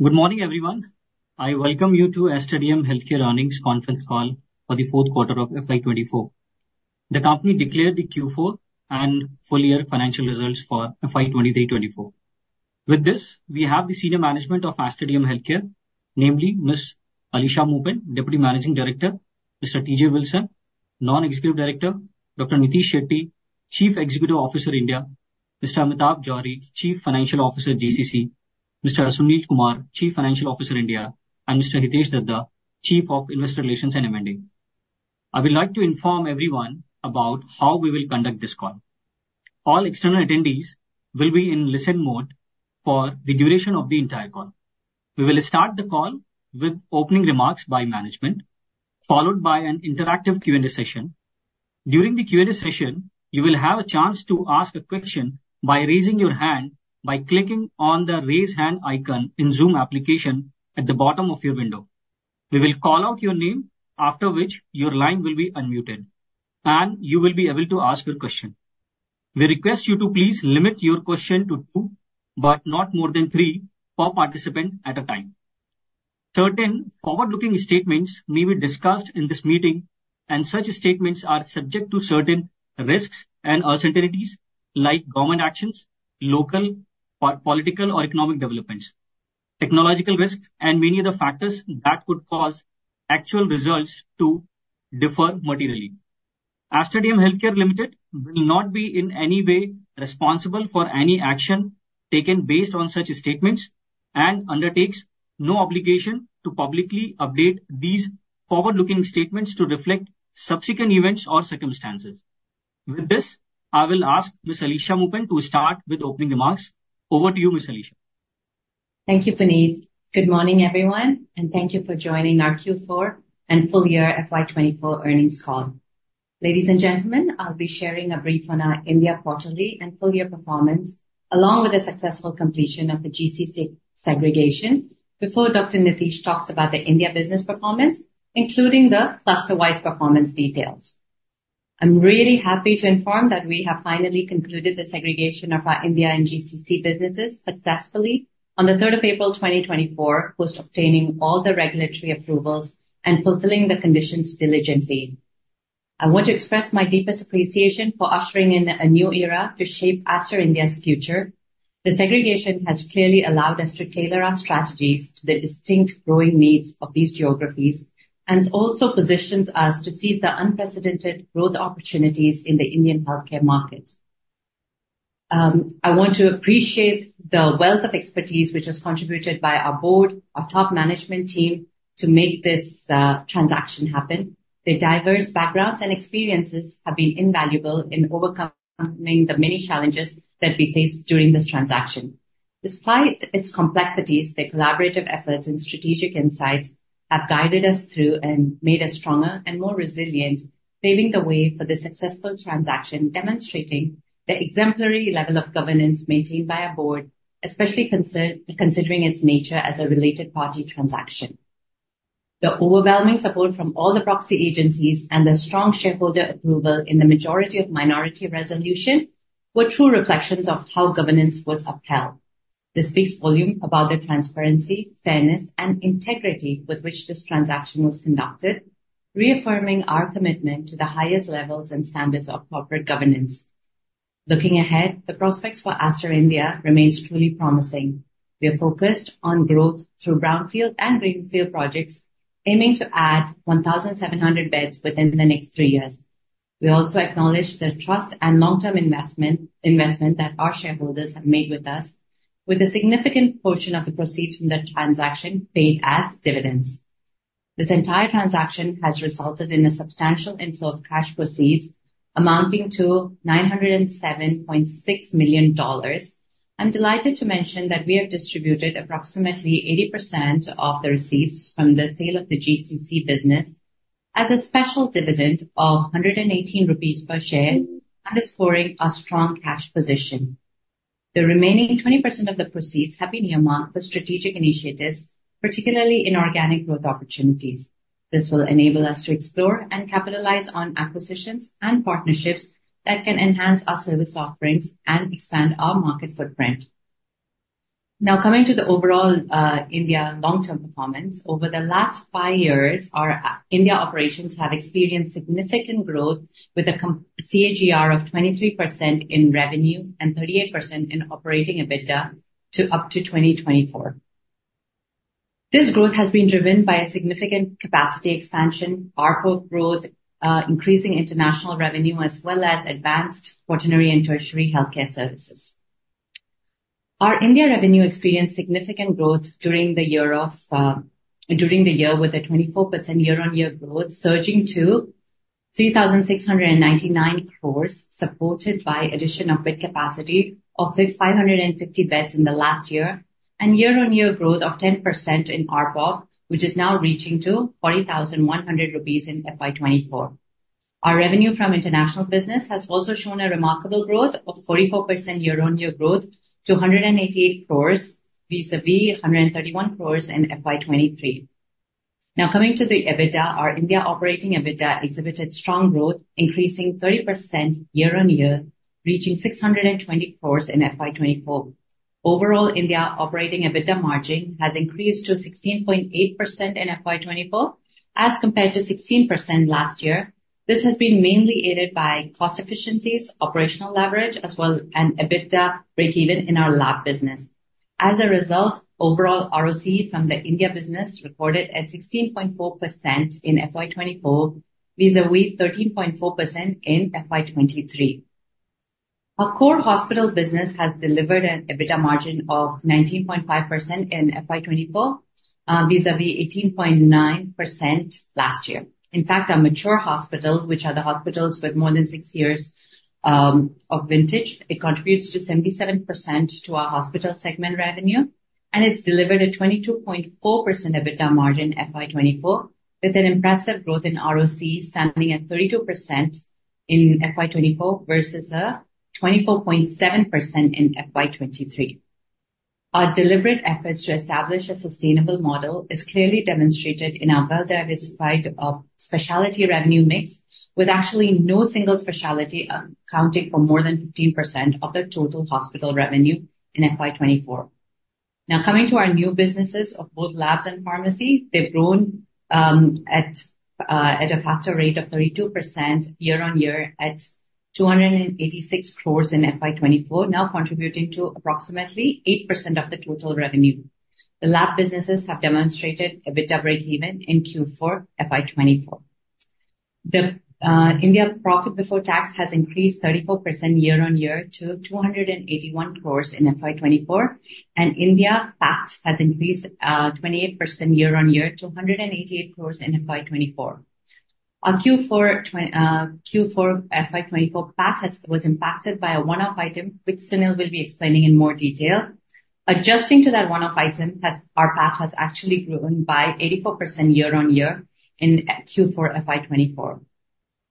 Good morning, everyone. I welcome you to Aster DM Healthcare Earnings Conference Call for the Fourth Quarter of FY 2024. The company declared the Q4 and full-year financial results for FY 2023-24. With this, we have the senior management of Aster DM Healthcare, namely Ms. Alisha Moopen, Deputy Managing Director, Mr. T.J. Wilson, Non-Executive Director, Dr. Nitish Shetty, Chief Executive Officer, India, Mr. Amitabh Johri, Chief Financial Officer, GCC, Mr. Sunil Kumar, Chief Financial Officer, India, and Mr. Hitesh Dhaddha, Chief of Investor Relations and M&A. I would like to inform everyone about how we will conduct this call. All external attendees will be in listen mode for the duration of the entire call. We will start the call with opening remarks by management, followed by an interactive Q&A session. During the Q&A session, you will have a chance to ask a question by raising your hand by clicking on the Raise Hand icon in Zoom application at the bottom of your window. We will call out your name, after which your line will be unmuted, and you will be able to ask your question. We request you to please limit your question to two, but not more than three per participant at a time. Certain forward-looking statements may be discussed in this meeting, and such statements are subject to certain risks and uncertainties, like government actions, local political or economic developments, technological risks, and many other factors that could cause actual results to differ materially. Aster DM Healthcare Limited will not be in any way responsible for any action taken based on such statements, and undertakes no obligation to publicly update these forward-looking statements to reflect subsequent events or circumstances. With this, I will ask Ms. Alisha Moopen to start with opening remarks. Over to you, Ms. Alisha. Thank you, Puneet. Good morning, everyone, and thank you for joining our Q4 and Full-Year FY 2024 Earnings Call. Ladies and gentlemen, I'll be sharing a brief on our India quarterly and full-year performance, along with the successful completion of the GCC segregation, before Dr. Nitish talks about the India business performance, including the cluster-wise performance details. I'm really happy to inform that we have finally concluded the segregation of our India and GCC businesses successfully on the third of April, 2024, post obtaining all the regulatory approvals and fulfilling the conditions diligently. I want to express my deepest appreciation for ushering in a new era to shape Aster India's future. The segregation has clearly allowed us to tailor our strategies to the distinct growing needs of these geographies, and also positions us to seize the unprecedented growth opportunities in the Indian healthcare market. I want to appreciate the wealth of expertise which was contributed by our board, our top management team, to make this transaction happen. Their diverse backgrounds and experiences have been invaluable in overcoming the many challenges that we faced during this transaction. Despite its complexities, the collaborative efforts and strategic insights have guided us through and made us stronger and more resilient, paving the way for the successful transaction, demonstrating the exemplary level of governance maintained by our board, especially considering its nature as a related party transaction. The overwhelming support from all the proxy agencies and the strong shareholder approval in the majority of minority resolution were true reflections of how governance was upheld. This speaks volume about the transparency, fairness, and integrity with which this transaction was conducted, reaffirming our commitment to the highest levels and standards of corporate governance. Looking ahead, the prospects for Aster India remains truly promising. We are focused on growth through brownfield and greenfield projects, aiming to add 1,700 beds within the next 3 years. We also acknowledge the trust and long-term investment, investment that our shareholders have made with us, with a significant portion of the proceeds from the transaction paid as dividends. This entire transaction has resulted in a substantial inflow of cash proceeds amounting to $907.6 million. I'm delighted to mention that we have distributed approximately 80% of the receipts from the sale of the GCC business as a special dividend of 118 rupees per share, underscoring our strong cash position. The remaining 20% of the proceeds have been earmarked for strategic initiatives, particularly in organic growth opportunities. This will enable us to explore and capitalize on acquisitions and partnerships that can enhance our service offerings and expand our market footprint. Now, coming to the overall India long-term performance. Over the last five years, our India operations have experienced significant growth with a CAGR of 23% in revenue and 38% in operating EBITDA up to 2024. This growth has been driven by a significant capacity expansion, ARPO growth, increasing international revenue, as well as advanced quaternary and tertiary healthcare services. Our India revenue experienced significant growth during the year of, during the year, with a 24% year-on-year growth, surging to 3,699 crore, supported by addition of bed capacity of 550 beds in the last year, and year-on-year growth of 10% in ARPOB, which is now reaching to 41,100 rupees in FY 2024. Our revenue from international business has also shown a remarkable growth of 44% year-on-year growth to 188 crore, vis-a-vis 131 crore in FY 2023. Now coming to the EBITDA, our India operating EBITDA exhibited strong growth, increasing 30% year-on-year, reaching 620 crore in FY 2024. Overall, India operating EBITDA margin has increased to 16.8% in FY 2024, as compared to 16% last year. This has been mainly aided by cost efficiencies, operational leverage, as well as an EBITDA breakeven in our lab business. As a result, overall ROC from the India business reported at 16.4% in FY 2024, vis-à-vis 13.4% in FY 2023. Our core hospital business has delivered an EBITDA margin of 19.5% in FY 2024, vis-à-vis 18.9% last year. In fact, our mature hospital, which are the hospitals with more than six years of vintage, it contributes to 77% to our hospital segment revenue, and it's delivered a 22.4% EBITDA margin FY 2024, with an impressive growth in ROC standing at 32% in FY 2024 versus 24.7% in FY 2023. Our deliberate efforts to establish a sustainable model is clearly demonstrated in our well-diversified, specialty revenue mix, with actually no single specialty accounting for more than 15% of the total hospital revenue in FY 2024. Now, coming to our new businesses of both labs and pharmacy, they've grown at a faster rate of 32% year-on-year at 286 crore in FY 2024, now contributing to approximately 8% of the total revenue. The lab businesses have demonstrated EBITDA breakeven in Q4, FY 2024. The India profit before tax has increased 34 year-on-year to 281 crore in FY 2024, and India PAT has increased 28% year-on-year to 188 crore in FY 2024. On Q4, FY 2024, PAT was impacted by a one-off item, which Sunil will be explaining in more detail. Adjusting to that one-off item, our PAT has actually grown by 84% year-on-year in Q4 FY 2024.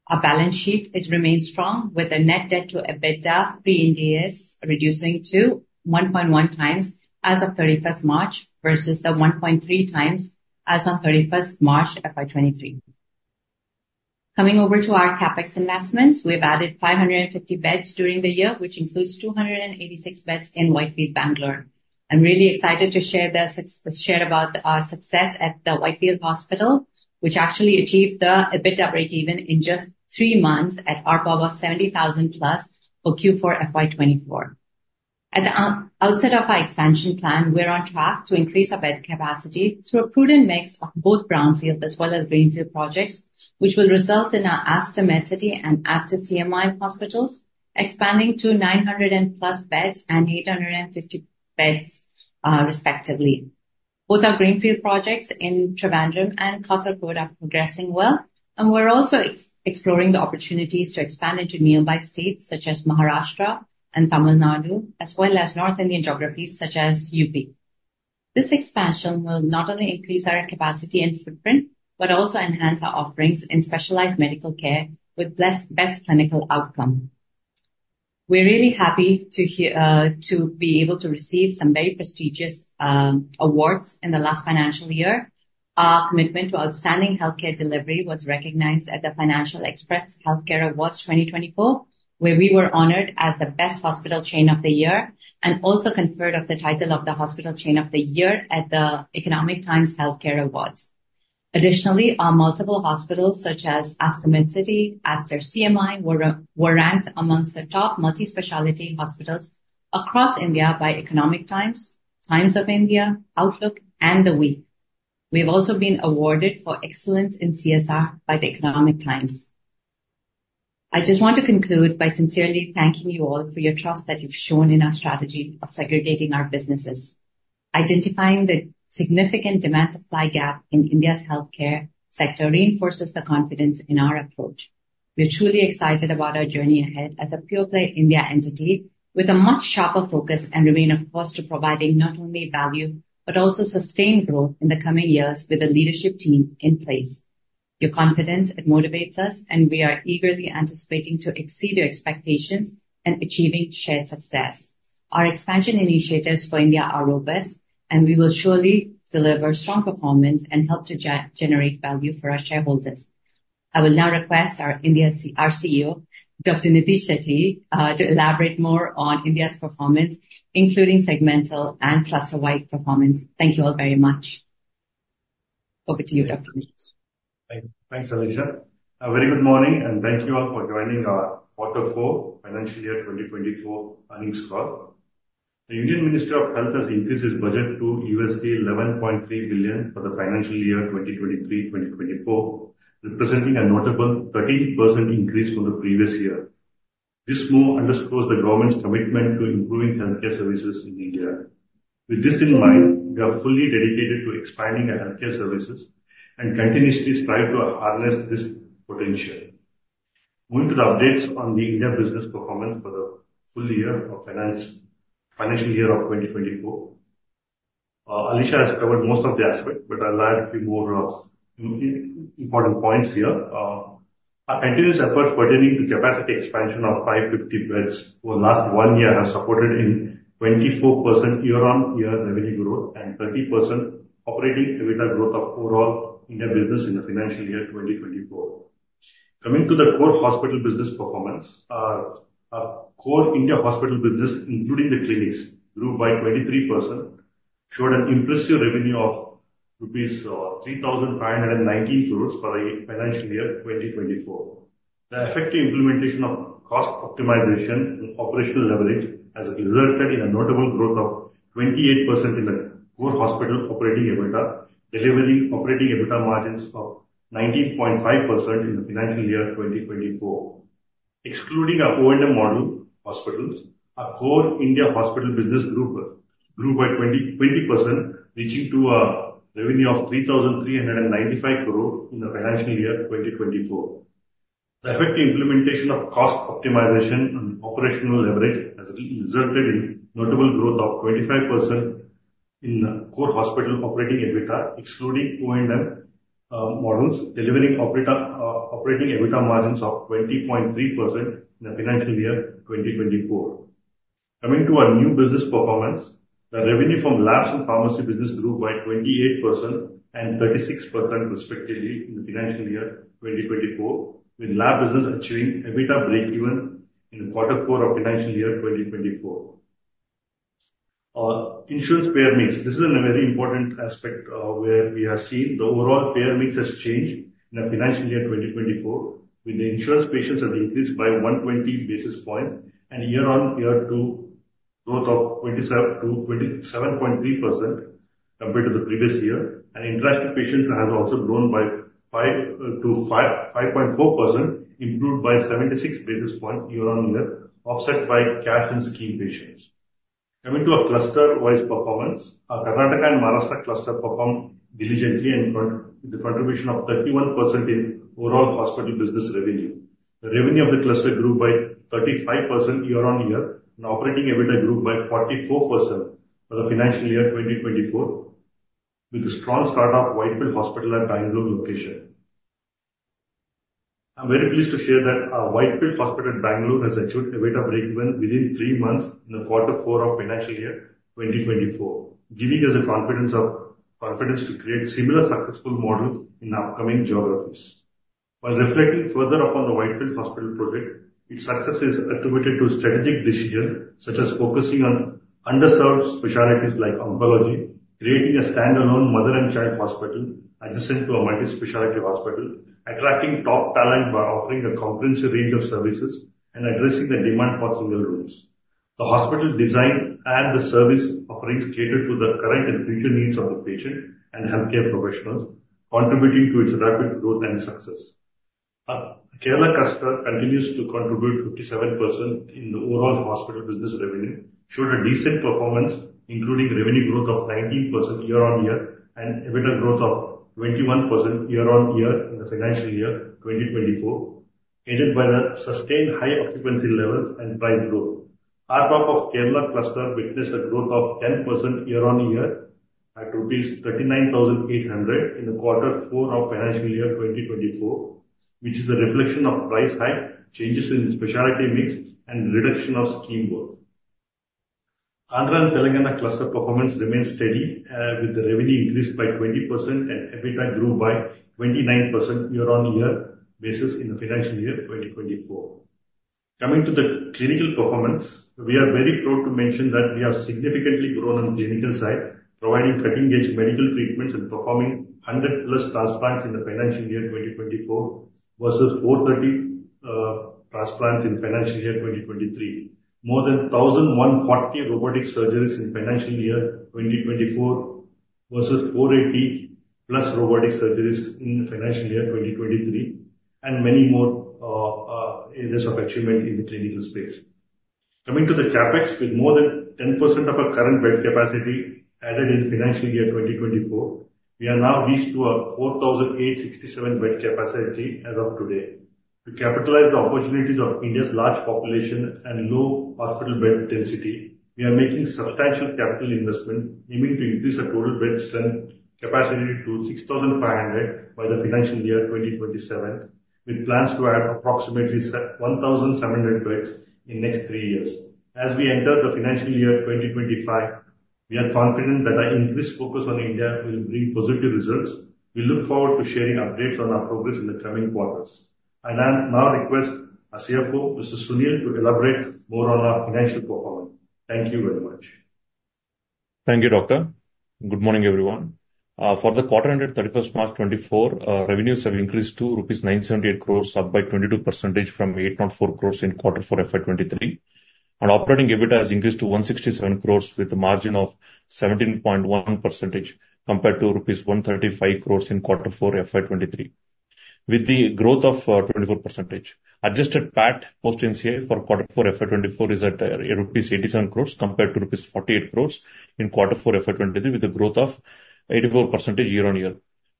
Our balance sheet, it remains strong, with a net debt to EBITDA pre-Ind AS reducing to 1.1x as of March 31, versus the 1.3x as of March 31, FY 2023. Coming over to our CapEx investments, we've added 550 beds during the year, which includes 286 beds in Whitefield, Bangalore. I'm really excited to share about our success at the Whitefield Hospital, which actually achieved the EBITDA breakeven in just 3 months at ARPOB of 70,000+ for Q4 FY 2024. At the outside of our expansion plan, we're on track to increase our bed capacity through a prudent mix of both brownfield as well as greenfield projects, which will result in our Aster Medcity and Aster CMI hospitals expanding to 900+ beds and 850 beds, respectively. Both our greenfield projects in Trivandrum and Kasaragod are progressing well, and we're also exploring the opportunities to expand into nearby states such as Maharashtra and Tamil Nadu, as well as North Indian geographies such as UP. This expansion will not only increase our capacity and footprint, but also enhance our offerings in specialized medical care with best clinical outcome. We're really happy to be able to receive some very prestigious awards in the last financial year. Our commitment to outstanding healthcare delivery was recognized at the Financial Express Healthcare Awards 2024, where we were honored as the Best Hospital Chain of the Year, and also conferred of the title of the Hospital Chain of the Year at the Economic Times Healthcare Awards. Additionally, our multiple hospitals, such as Aster Medcity, Aster CMI, were ranked amongst the top multi-specialty hospitals across India by Economic Times, Times of India, Outlook, and The Week. We've also been awarded for excellence in CSR by the Economic Times. I just want to conclude by sincerely thanking you all for your trust that you've shown in our strategy of segregating our businesses. Identifying the significant demand-supply gap in India's healthcare sector reinforces the confidence in our approach. We are truly excited about our journey ahead as a pure-play India entity with a much sharper focus and remain opposed to providing not only value, but also sustained growth in the coming years with a leadership team in place. Your confidence, it motivates us, and we are eagerly anticipating to exceed your expectations and achieving shared success. Our expansion initiatives for India are robust, and we will surely deliver strong performance and help to generate value for our shareholders. I will now request our India CEO, Dr. Nitish Shetty, to elaborate more on India's performance, including segmental and cluster-wide performance. Thank you all very much. Over to you, Dr. Nitish. Thanks, Alisha. A very good morning, and thank you all for joining our Quarter four financial year 2024 earnings call. The Indian Minister of Health has increased his budget to $11.3 billion for the financial year 2023-2024, representing a notable 13% increase from the previous year. This move underscores the government's commitment to improving healthcare services in India. With this in mind, we are fully dedicated to expanding our healthcare services and continuously strive to harness this potential. Moving to the updates on the India business performance for the full year of financial year 2024. Alisha has covered most of the aspects, but I'll add a few more, important points here. Our continuous effort pertaining to capacity expansion of 550 beds over last one year has supported in 24% year-on-year revenue growth and 30% operating EBITDA growth of overall India business in the financial year 2024. Coming to the core hospital business performance, our core India hospital business, including the clinics, grew by 23%, showed an impressive revenue of rupees 3,590 crores for the financial year 2024. The effective implementation of cost optimization and operational leverage has resulted in a notable growth of 28% in the core hospital operating EBITDA, delivering operating EBITDA margins of 19.5% in the financial year 2024. Excluding our O&M model hospitals, our core India hospital business grew by 20%, reaching to a revenue of 3,395 crore in the financial year 2024. The effective implementation of cost optimization and operational leverage has resulted in notable growth of 25% in core hospital operating EBITDA, excluding O&M models, delivering operating EBITDA margins of 20.3% in the financial year 2024. Coming to our new business performance, the revenue from labs and pharmacy business grew by 28% and 36% respectively in the financial year 2024, with lab business achieving EBITDA breakeven in quarter four of financial year 2024. Our insurance payer mix, this is a very important aspect, where we have seen the overall payer mix has changed in the financial year 2024, with the insurance patients have increased by 120 basis points and year-over-year growth of 27.3% compared to the previous year, and indigent patients have also grown by 5.4%, improved by 76 basis points year-over-year, offset by CAF and scheme patients. Coming to our cluster-wise performance, our Karnataka and Maharashtra cluster performed diligently and with a contribution of 31% in overall hospital business revenue. The revenue of the cluster grew by 35% year-over-year, and operating EBITDA grew by 44% for the financial year 2024, with a strong start of Whitefield Hospital at Bangalore location. I'm very pleased to share that our Whitefield Hospital in Bangalore has achieved EBITDA breakeven within three months in the quarter four of financial year 2024, giving us the confidence to create similar successful model in upcoming geographies. While reflecting further upon the Whitefield Hospital project, its success is attributed to strategic decisions such as focusing on underserved specialties like oncology, creating a standalone mother and child hospital adjacent to a multi-specialty hospital, attracting top talent by offering a comprehensive range of services, and addressing the demand for single rooms. The hospital design and the service offerings cater to the current and future needs of the patient and healthcare professionals, contributing to its rapid growth and success. Our Kerala cluster continues to contribute 57% in the overall hospital business revenue, showed a decent performance, including revenue growth of 19% year-on-year and EBITDA growth of 21% year-on-year in the financial year 2024, aided by the sustained high occupancy levels and price growth. ARPOB of Kerala cluster witnessed a growth of 10% year-on-year at rupees 39,800 in the quarter four of financial year 2024, which is a reflection of price hike, changes in specialty mix, and reduction of scheme work. Andhra and Telangana cluster performance remains steady, with the revenue increased by 20% and EBITDA grew by 29% year-on-year basis in the financial year 2024. Coming to the clinical performance, we are very proud to mention that we have significantly grown on the clinical side, providing cutting-edge medical treatments and performing 100+ transplants in the financial year 2024 versus 430 transplants in financial year 2023. More than 1,040 robotic surgeries in financial year 2024 versus 480+ robotic surgeries in the financial year 2023, and many more, areas of achievement in the clinical space. Coming to the CapEx, with more than 10% of our current bed capacity added in financial year 2024, we are now reached to a 4,867 bed capacity as of today. To capitalize the opportunities of India's large population and low hospital bed density, we are making substantial capital investment, aiming to increase our total bed strength capacity to 6,500 by the financial year 2027, with plans to add approximately 1,700 beds in next three years. As we enter the financial year 2025, we are confident that our increased focus on India will bring positive results. We look forward to sharing updates on our progress in the coming quarters. I'll now request our CFO, Mr. Sunil, to elaborate more on our financial performance. Thank you very much. Thank you, Doctor. Good morning, everyone. For the quarter ended 31st March 2024, revenues have increased to rupees 978 crore, up by 22% from 8.4 crore in quarter four FY 2023, and operating EBITDA has increased to 167 crore with a margin of 17.1%, compared to rupees 135 crore in quarter four FY 2023, with the growth of 24%. Adjusted PAT post NCI for quarter four FY 2024 is at rupees 87 crores compared to rupees 48 crores in quarter four FY 2023, with a growth of 84% year-on-year.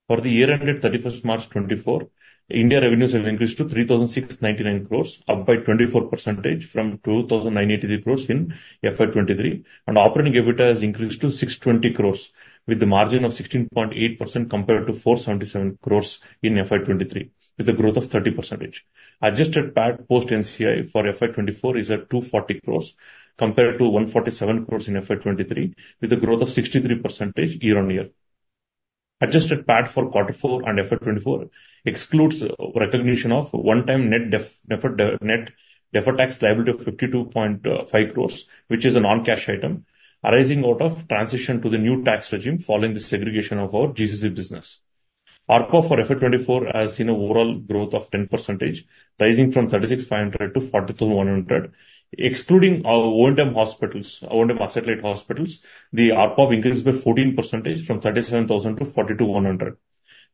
For the year ended 31 March 2024, India revenues have increased to 3,699 crores, up by 24% from 2,983 crores in FY 2023, and operating EBITDA has increased to 620 crores, with a margin of 16.8% compared to 477 crores in FY 2023, with a growth of 30%. Adjusted PAT post NCI for FY 2024 is at 240 crores compared to 147 crores in FY 2023, with a growth of 63% year-on-year. Adjusted PAT for Quarter Four and FY 2024 excludes recognition of one-time net deferred tax liability of 52.5 crores, which is a non-cash item, arising out of transition to the new tax regime following the segregation of our GCC business. ARPO for FY 2024 has seen an overall growth of 10%, rising from 36,500 to 42,100. Excluding our owned and satellite hospitals, the ARPO increased by 14%, from 37,000 to 42,100.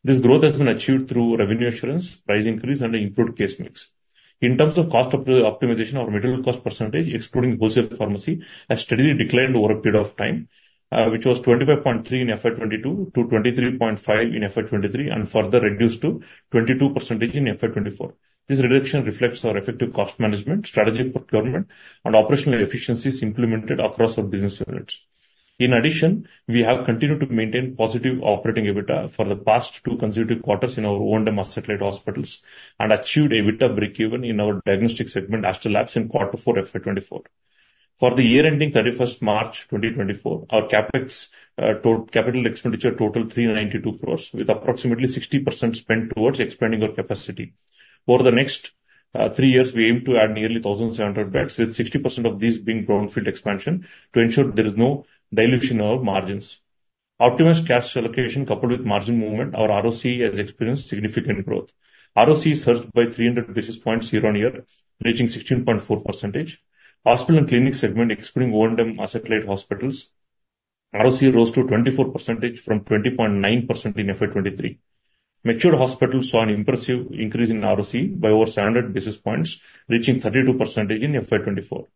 This growth has been achieved through revenue assurance, price increase, and improved case mix. In terms of cost optimization, our material cost percentage, excluding wholesale pharmacy, has steadily declined over a period of time, which was 25.3% in FY 2022 to 23.5% in FY 2023, and further reduced to 22% in FY 2024. This reduction reflects our effective cost management, strategic procurement, and operational efficiencies implemented across our business units. In addition, we have continued to maintain positive operating EBITDA for the past two consecutive quarters in our owned and satellite hospitals, and achieved EBITDA breakeven in our diagnostic segment, Aster Labs, in Quarter 4, FY 2024. For the year ending thirty-first March 2024, our CapEx, capital expenditure totaled 392 crore, with approximately 60% spent towards expanding our capacity. Over the next, three years, we aim to add nearly 1,700 beds, with 60% of these being brownfield expansion, to ensure there is no dilution of our margins. Optimized cash allocation, coupled with margin movement, our ROC has experienced significant growth. ROC surged by 300 basis points year-on-year, reaching 16.4%. Hospital and clinic segment, excluding owned and satellite hospitals, ROC rose to 24% from 20.9% in FY 2023. Matured hospitals saw an impressive increase in ROC by over 700 basis points, reaching 32% in FY 2024.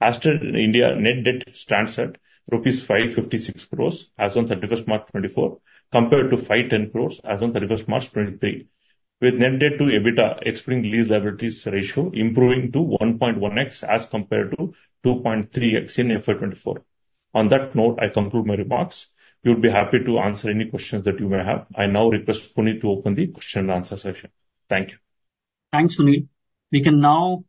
Aster India net debt stands at rupees 556 crores as on 31 March 2024, compared to 510 crores as on 31 March 2023, with net debt to EBITDA excluding lease liabilities ratio improving to 1.1x as compared to 2.3x in FY 2024. On that note, I conclude my remarks. We would be happy to answer any questions that you may have. I now request Puneet to open the question and answer session. Thank you. Thanks, Sunil. We can now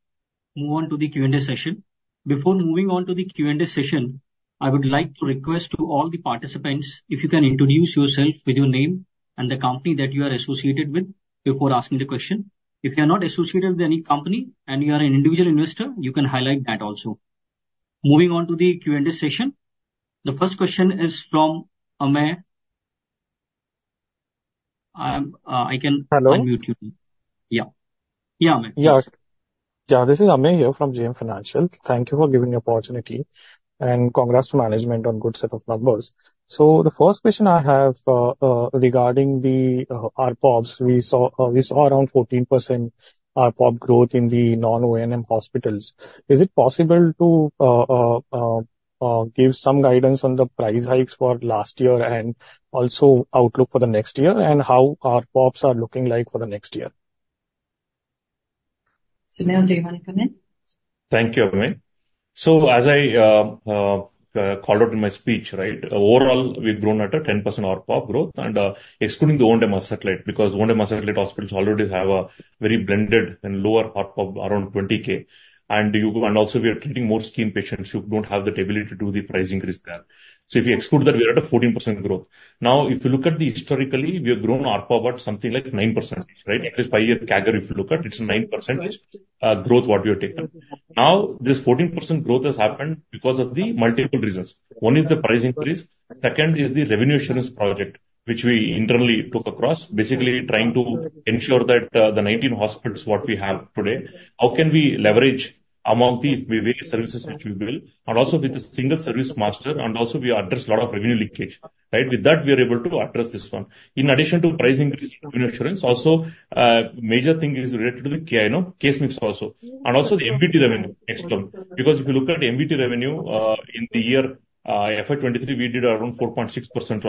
move on to the Q&A session. Before moving on to the Q&A session, I would like to request to all the participants, if you can introduce yourself with your name and the company that you are associated with before asking the question. If you are not associated with any company and you are an individual investor, you can highlight that also. Moving on to the Q&A session. The first question is from Amey. Hello? Unmute you, Amey. Yeah. Yeah, this is Amey here from JM Financial. Thank you for giving the opportunity, and congrats to management on good set of numbers. So the first question I have, regarding the, ARPOBs, we saw, we saw around 14% ARPOB growth in the non-O&M hospitals. Is it possible to, give some guidance on the price hikes for last year, and also outlook for the next year, and how ARPOBs are looking like for the next year? Sunil, do you want to come in? Thank you, Amey. So as I called out in my speech, right, overall, we've grown at a 10% ARPOB growth, and excluding the owned and satellite, because owned and satellite hospitals already have a very blended and lower ARPOB around 20,000. And also, we are treating more scheme patients who don't have that ability to do the price increase there. So if you exclude that, we are at a 14% growth. Now, if you look at historically, we have grown ARPOB at something like 9%, right? At least 5-year CAGR, if you look at, it's 9% growth what we have taken. Now, this 14% growth has happened because of the multiple reasons. One is the price increase, second is the revenue assurance project, which we internally took across, basically trying to ensure that, the 19 hospitals, what we have today, how can we leverage among these various services which we build, and also with the single service master, and also we address a lot of revenue leakage, right? With that, we are able to address this one. In addition to price increase revenue assurance, also, major thing is related to the key, you know, case mix also, and also the MVT revenue, next one. Because if you look at MVT revenue, in the year, FY 2023, we did around 4.6%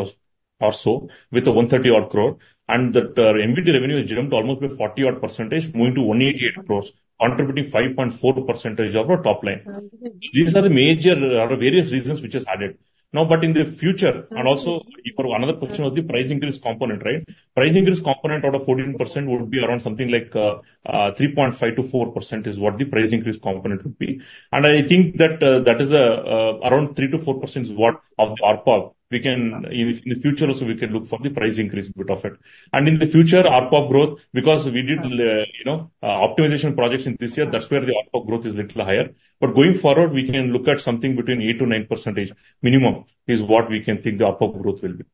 or so, with a 130 crore odd, and that, MVT revenue has jumped almost by 40 odd percentage, moving to 188 crores, contributing 5.4% of our top line. These are the major, various reasons which has added. Now, but in the future, and also for another question of the price increase component, right? Price increase component out of 14% would be around something like, 3.5%-4% is what the price increase component would be. And I think that, that is, around 3%-4% is what of the ARPOB. In, the future also, we can look for the price increase bit of it. And in the future, ARPOB growth, because we did, you know, optimization projects in this year, that's where the ARPOB growth is little higher. But going forward, we can look at something between 8%-9%, minimum, is what we can think the ARPOB growth will be.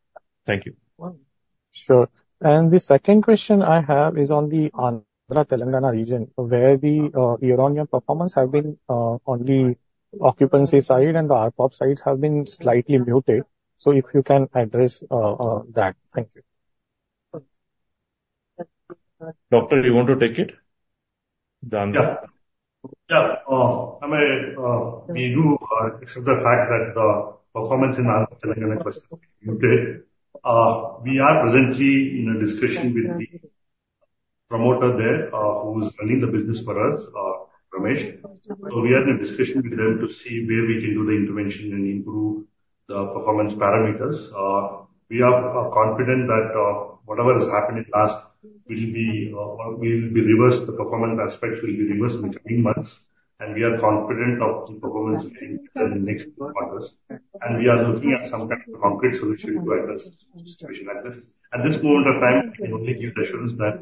Thank you. Sure. And the second question I have is on the Andhra Telangana region, where the year-on-year performance have been on the occupancy side and the ARPOB side have been slightly muted. So if you can address that. Thank you. Doctor, you want to take it? Yeah. Yeah, Amey, we do accept the fact that the performance in our question today. We are presently in a discussion with the promoter there, who is running the business for us, Ramesh. So we are in a discussion with them to see where we can do the intervention and improve the performance parameters. We are confident that whatever has happened in the past will be reversed, the performance aspects will be reversed in between months, and we are confident of the performance in the next quarters. And we are looking at some kind of concrete solution to address the situation like this. At this moment of time, we can only give the assurance that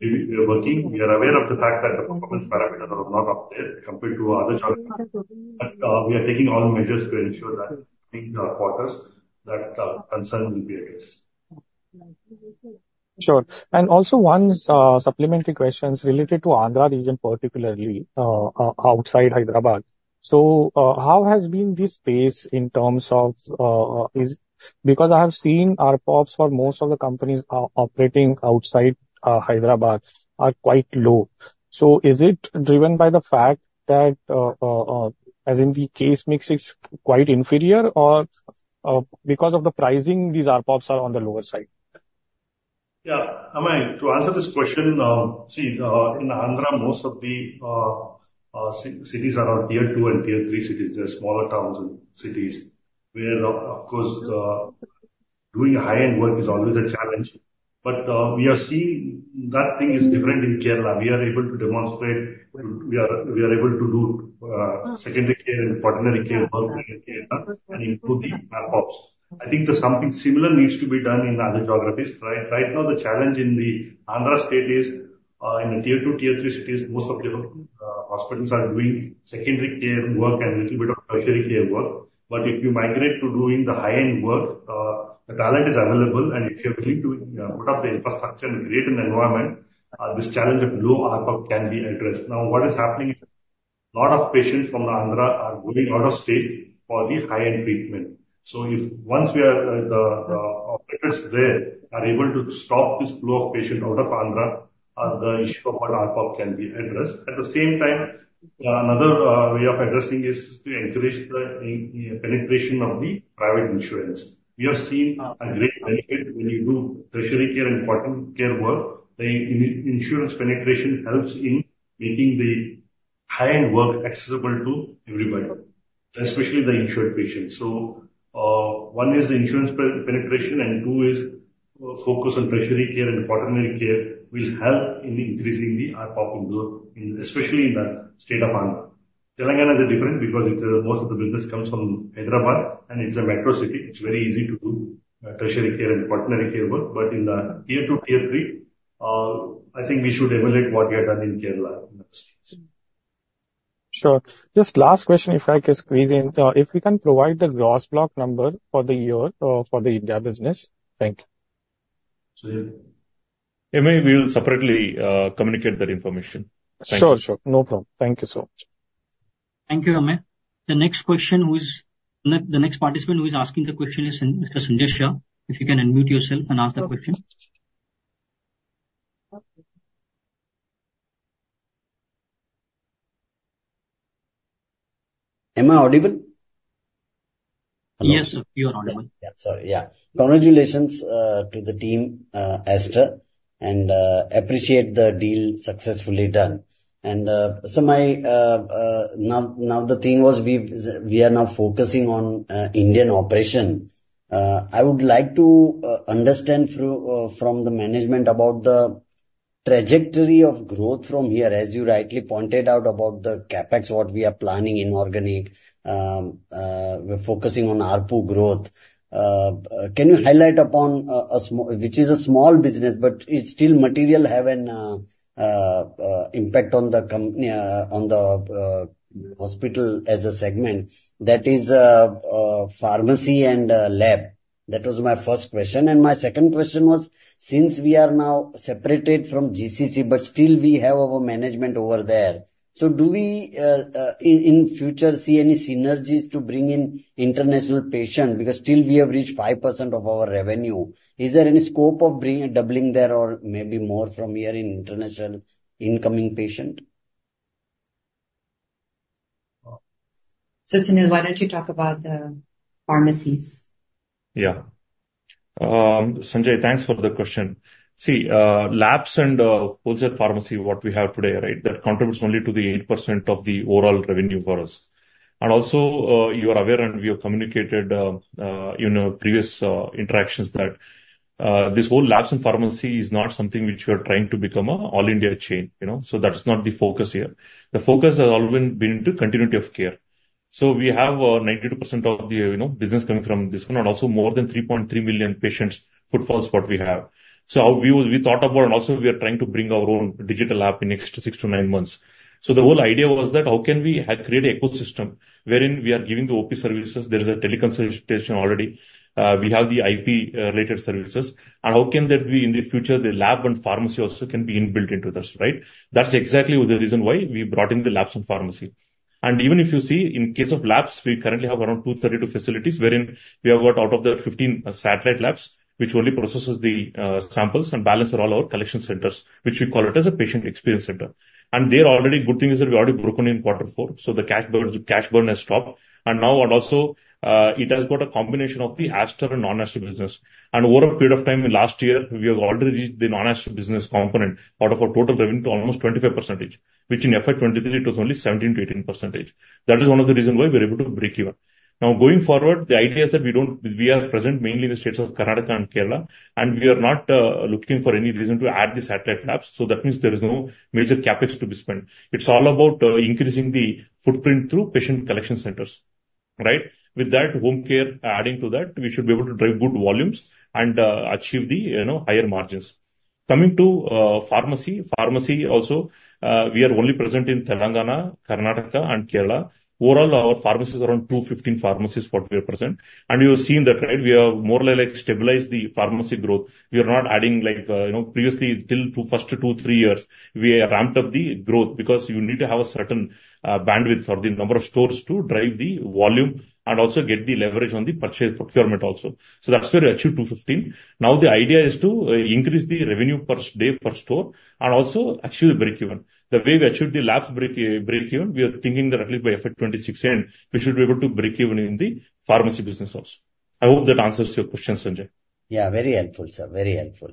we are working. We are aware of the fact that the performance parameters are not up there compared to other geographies, but we are taking all measures to ensure that in the quarters that concern will be addressed. Sure. And also one supplementary question related to Andhra region, particularly outside Hyderabad. So, how has been the space in terms of? Because I have seen our ARPOBs for most of the companies operating outside Hyderabad are quite low. So is it driven by the fact that, as in the case mix is quite inferior or, because of the pricing, these ARPOBs are on the lower side? Yeah. Amey, to answer this question, see, in Andhra, most of the cities are on Tier 2 and Tier 3 cities. They're smaller towns and cities, where of course, doing a high-end work is always a challenge. But, we are seeing that thing is different in Kerala. We are able to demonstrate, we are able to do secondary care and quaternary care, tertiary care, and improve the ARPOBs. I think there's something similar needs to be done in other geographies, right? Right now, the challenge in the Andhra state is, in the Tier 2, Tier 3 cities, most of the hospitals are doing secondary care work and little bit of tertiary care work. But if you migrate to doing the high-end work, the talent is available, and if you are willing to put up the infrastructure and create an environment, this challenge of low RPOP can be addressed. Now, what is happening, a lot of patients from Andhra are going out of state for the high-end treatment. So if once we are, the, the operators there are able to stop this flow of patient out of Andhra, the issue of RPOP can be addressed. At the same time, another way of addressing is to encourage the, the, penetration of the private insurance. We have seen a great benefit when you do tertiary care and quaternary care work. The insurance penetration helps in making the high-end work accessible to everybody, especially the insured patients. So, one is the insurance penetration, and two is focus on tertiary care and quaternary care will help in increasing the ARPOB, especially in the state of Andhra. Telangana is different because most of the business comes from Hyderabad, and it's a metro city. It's very easy to do tertiary care and quaternary care work. But in the Tier 2, Tier 3, I think we should emulate what we have done in Kerala. Sure. Just last question, if I can squeeze in. If we can provide the gross block number for the year, for the India business. Thank you. Amey, we will separately, communicate that information. Sure, sure. No problem. Thank you so much. Thank you, Amey. The next participant who is asking the question is Mr. Sanjay Shah. If you can unmute yourself and ask the question. Am I audible? Yes, sir, you are audible. Yeah, sorry. Yeah. Congratulations to the team, Aster, and appreciate the deal successfully done. So now the thing was, we are now focusing on Indian operation. I would like to understand through from the management about the trajectory of growth from here, as you rightly pointed out, about the CapEx, what we are planning in organic. We're focusing on ARPU growth. Can you highlight upon a small—which is a small business, but it's still material, have an impact on the com—on the hospital as a segment that is pharmacy and lab. That was my first question. And my second question was, since we are now separated from GCC, but still we have our management over there, so do we in future see any synergies to bring in international patient? Because still we have reached 5% of our revenue. Is there any scope of bringing, doubling there or maybe more from here in international incoming patient? So, Sunil, why don't you talk about the pharmacies? Yeah. Sanjay, thanks for the question. See, labs and wholesale pharmacy, what we have today, right? That contributes only to the 8% of the overall revenue for us. And also, you are aware, and we have communicated, you know, previous interactions, that this whole labs and pharmacy is not something which we are trying to become a all India chain, you know, so that's not the focus here. The focus has always been to continuity of care. So we have 92% of the, you know, business coming from this one, and also more than 3.3 million patient footfalls what we have. So how we thought about, and also we are trying to bring our own digital app in next 6-9 months. So the whole idea was that how can we create an ecosystem wherein we are giving the OP services, there is a teleconsultation already, we have the IP, related services, and how can that be in the future, the lab and pharmacy also can be inbuilt into this, right? That's exactly the reason why we brought in the labs and pharmacy. And even if you see, in case of labs, we currently have around 232 facilities, wherein we have got out of the 15 satellite labs, which only processes the samples, and balance are all our collection centers, which we call it as a patient experience center. Good thing is that we've already broken in quarter four, so the cash burn, the cash burn has stopped. And now and also, it has got a combination of the Aster and non-Aster business. And over a period of time in last year, we have already reached the non-Aster business component out of our total revenue to almost 25%, which in FY 2023 it was only 17%-18%. That is one of the reason why we're able to break even. Now, going forward, the idea is that we don't. We are present mainly in the states of Karnataka and Kerala, and we are not looking for any reason to add the satellite labs, so that means there is no major CapEx to be spent. It's all about increasing the footprint through patient collection centers, right? With that, home care adding to that, we should be able to drive good volumes and achieve the, you know, higher margins. Coming to pharmacy. Pharmacy also, we are only present in Telangana, Karnataka and Kerala. Overall, our pharmacy is around 215 pharmacies, what we are present. And you have seen that, right? We have more or less like stabilized the pharmacy growth. We are not adding like, you know, previously, till first two, three years, we have ramped up the growth because you need to have a certain bandwidth for the number of stores to drive the volume and also get the leverage on the purchase procurement also. So that's where we achieved 215. Now, the idea is to increase the revenue per day per store and also achieve the breakeven. The way we achieved the Labs breakeven, we are thinking that at least by FY 2026 end, we should be able to breakeven in the pharmacy business also. I hope that answers your question, Sanjay. Yeah, very helpful, sir. Very helpful.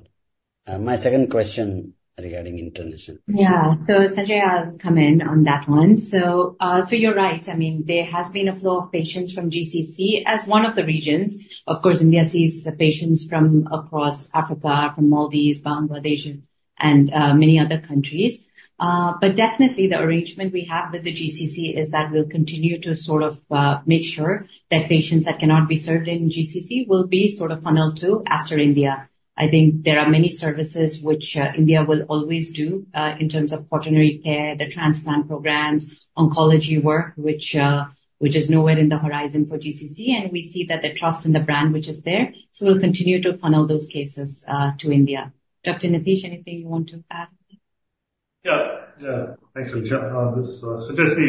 My second question regarding international patients. Yeah. So, Sanjay, I'll come in on that one. So, so you're right. I mean, there has been a flow of patients from GCC as one of the regions. Of course, India sees the patients from across Africa, from Maldives, Bangladesh, and, many other countries. But definitely the arrangement we have with the GCC is that we'll continue to sort of, make sure that patients that cannot be served in GCC will be sort of funneled to Aster India. I think there are many services which, India will always do, in terms of quaternary care, the transplant programs, oncology work, which, which is nowhere in the horizon for GCC, and we see that the trust in the brand, which is there, so we'll continue to funnel those cases, to India. Dr. Nitish, anything you want to add? Yeah. Yeah. Thanks, Alisha. This, Sanjay, see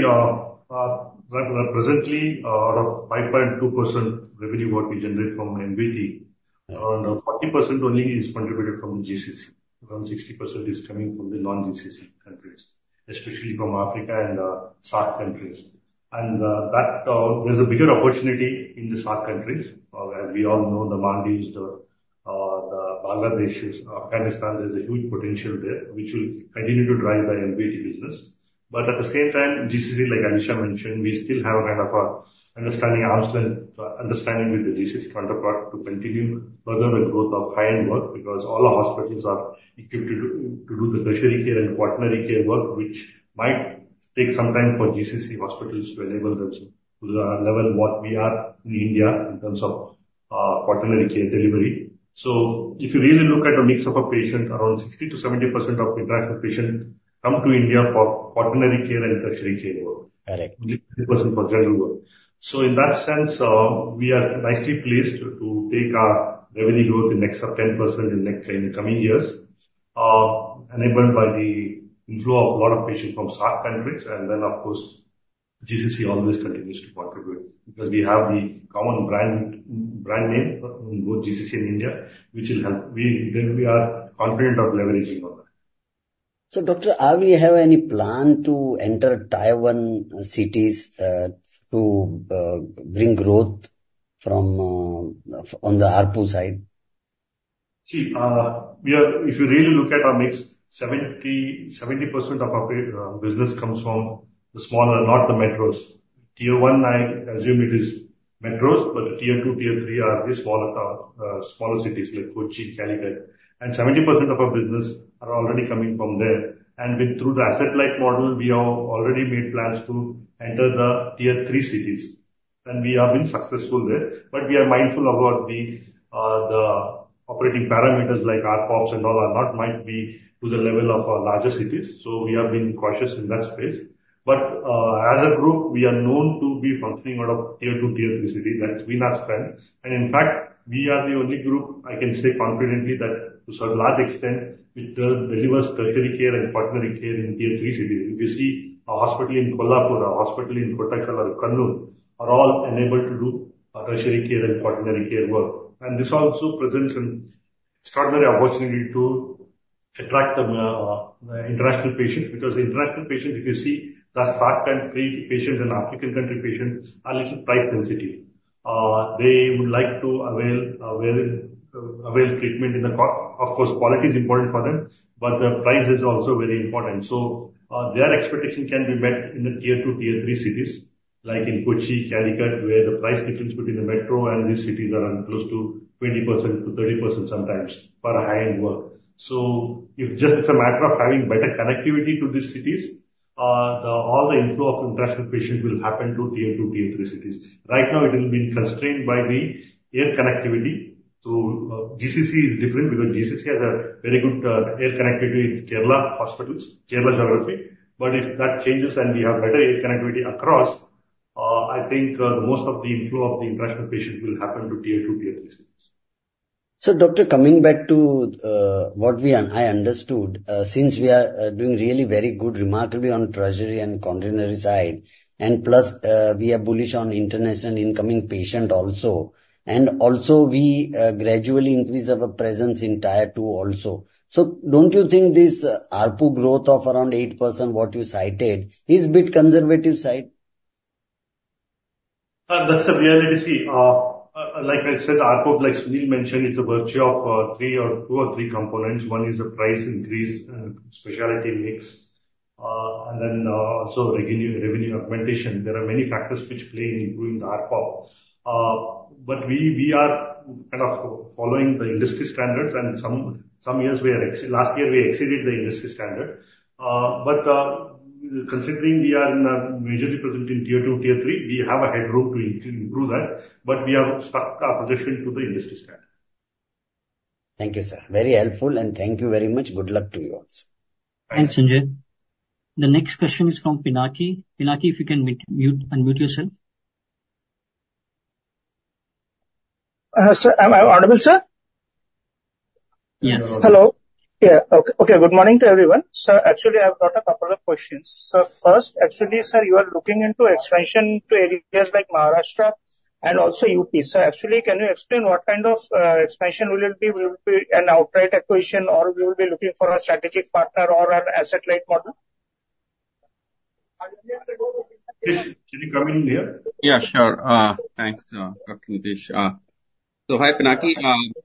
that presently, out of 5.2% revenue what we generate from MVT, around 40% only is contributed from GCC. Around 60% is coming from the non-GCC countries, especially from Africa and SAARC countries. And that there's a bigger opportunity in the SAARC countries. As we all know, the Maldives, the Bangladesh, Afghanistan, there's a huge potential there, which will continue to drive the MVT business. But at the same time, GCC, like Alisha mentioned, we still have kind of an understanding with the GCC counterpart to continue further the growth of high-end work, because all our hospitals are equipped to do the tertiary care and quaternary care work, which might take some time for GCC hospitals to enable them to the level what we are in India in terms of quaternary care delivery. So if you really look at a mix of a patient, around 60%-70% of international patients come to India for quaternary care and tertiary care work. Correct. Only 10% for general work. So in that sense, we are nicely placed to take our revenue growth in next up 10% in next, in the coming years, enabled by the inflow of a lot of patients from SAARC countries. And then, of course, GCC always continues to contribute, because we have the common brand, brand name in both GCC and India, which will help. We. Then we are confident of leveraging on that. So, Doctor, are we have any plan to enter Tier 1 cities to bring growth from on the ARPU side? See, if you really look at our mix 70% of our business comes from the smaller, not the metros. Tier 1, I assume it is metros, but the Tier 2, Tier 3 are very smaller town, smaller cities like Kochi, Calicut. And 70% of our business are already coming from there. And with— Through the asset-light model, we have already made plans to enter the Tier 3 cities, and we have been successful there. But we are mindful about the, the operating parameters, like RFPs and all are not, might be to the level of our larger cities, so we are being cautious in that space. But, as a group, we are known to be functioning out of Tier 2, Tier 3 city. That's been our strength. In fact, we are the only group, I can say confidently, that to a large extent, we deliver tertiary care and quaternary care in Tier 3 cities. If you see a hospital in Kolhapur, a hospital in Kottakkal or Kannur, are all enabled to do tertiary care and quaternary care work. This also presents an extraordinary opportunity to attract the international patients, because the international patients, if you see, the SAARC country patients and African country patients, are little price sensitive. They would like to avail, avail, avail treatment in the country. Of course, quality is important for them, but the price is also very important. So, their expectation can be met in the Tier 2, Tier 3 cities, like in Kochi, Calicut, where the price difference between the metro and these cities are around close to 20%-30% sometimes for a high-end work. So if just it's a matter of having better connectivity to these cities, all the inflow of international patients will happen to Tier 2, Tier 3 cities. Right now, it has been constrained by the air connectivity. So, GCC is different, because GCC has a very good air connectivity with Kerala hospitals, Kerala geography. But if that changes and we have better air connectivity across, I think, most of the inflow of the international patients will happen to Tier 2, Tier 3 cities. So Doctor, coming back to what I understood, since we are doing really very good remarkably on tertiary and continuity side, and plus, we are bullish on international incoming patient also, and also we gradually increase our presence in Tier 2 also. So don't you think this ARPU growth of around 8%, what you cited, is bit conservative side? That's a reality. See, like I said, ARPU, like Sunil mentioned, it's a virtue of three or two or three components. One is the price increase and specialty mix, and then also revenue, revenue augmentation. There are many factors which play in improving the ARPU. But we are kind of following the industry standards, and some years we exceeded the industry standard. But considering we are in a majority present in Tier 2, Tier 3, we have a headroom to improve that, but we have stuck our projection to the industry standard. Thank you, sir. Very helpful, and thank you very much. Good luck to you also. Thanks, Sanjay. The next question is from Pinaki. Pinaki, if you can mute, mute, unmute yourself. Sir, am I audible, sir? Yes. Hello. Yeah, okay, good morning to everyone. Sir, actually, I've got a couple of questions. Sir, first, actually, sir, you are looking into expansion to areas like Maharashtra and also UP. So actually, can you explain what kind of expansion will it be? Will it be an outright acquisition, or we will be looking for a strategic partner or an asset-light model? Can you come in here? Yeah, sure. Thanks, Dr. Nitish. So hi, Pinaki.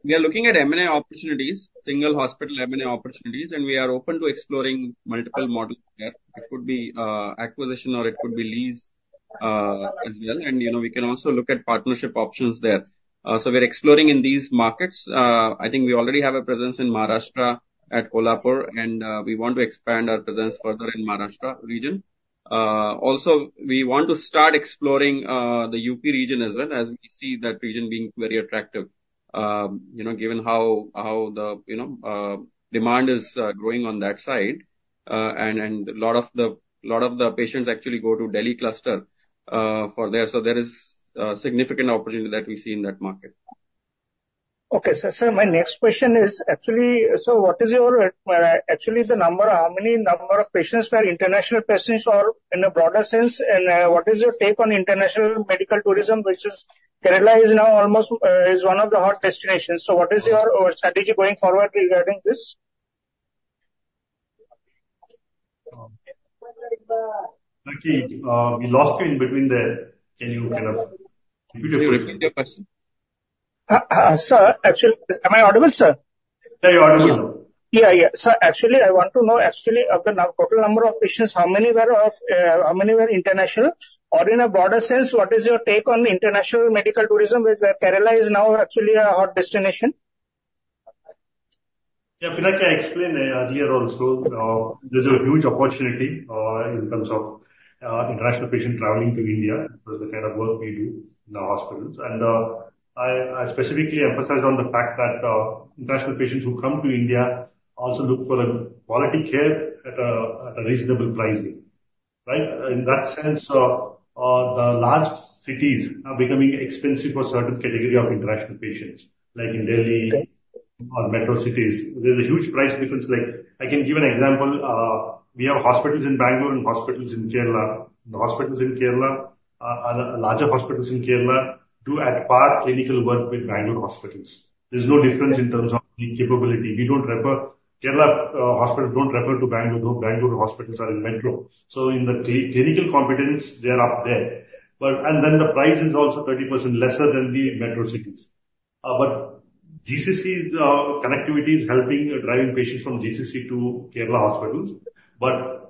We are looking at M&A opportunities, single hospital M&A opportunities, and we are open to exploring multiple models there. It could be acquisition or it could be lease as well, and, you know, we can also look at partnership options there. So we're exploring in these markets. I think we already have a presence in Maharashtra at Kolhapur, and we want to expand our presence further in Maharashtra region. Also, we want to start exploring the UP region as well, as we see that region being very attractive. You know, given how the demand is growing on that side, and a lot of the patients actually go to Delhi cluster for there. There is a significant opportunity that we see in that market. Okay, sir. So my next question is actually, so what is your actually the number, how many number of patients were international patients or in a broader sense, and what is your take on international medical tourism, which is Kerala is now almost is one of the hot destinations. So what is your strategy going forward regarding this? Pinaki, we lost you in between there. Can you kind of repeat your question? Am I audible, sir? Yeah, you're audible. Yeah, yeah. Sir, actually, I want to know actually of the now total number of patients, how many were of, how many were international? Or in a broader sense, what is your take on international medical tourism, which where Kerala is now actually a hot destination? Yeah, Pinaki, I explained earlier also, there's a huge opportunity, in terms of, international patients traveling to India for the kind of work we do in the hospitals. And, I, I specifically emphasize on the fact that, international patients who come to India also look for a quality care at a, at a reasonable pricing, right? In that sense, the large cities are becoming expensive for certain category of international patients, like in Delhi or metro cities. There's a huge price difference, like I can give an example. We have hospitals in Bangalore and hospitals in Kerala. The hospitals in Kerala, larger hospitals in Kerala, do at par clinical work with Bangalore hospitals. There's no difference in terms of the capability. We don't refer, Kerala, hospitals don't refer to Bangalore, though Bangalore hospitals are in metro. So in the clinical competence, they are up there. But, and then the price is also 30% lesser than the metro cities. But GCC's connectivity is helping driving patients from GCC to Kerala hospitals. But,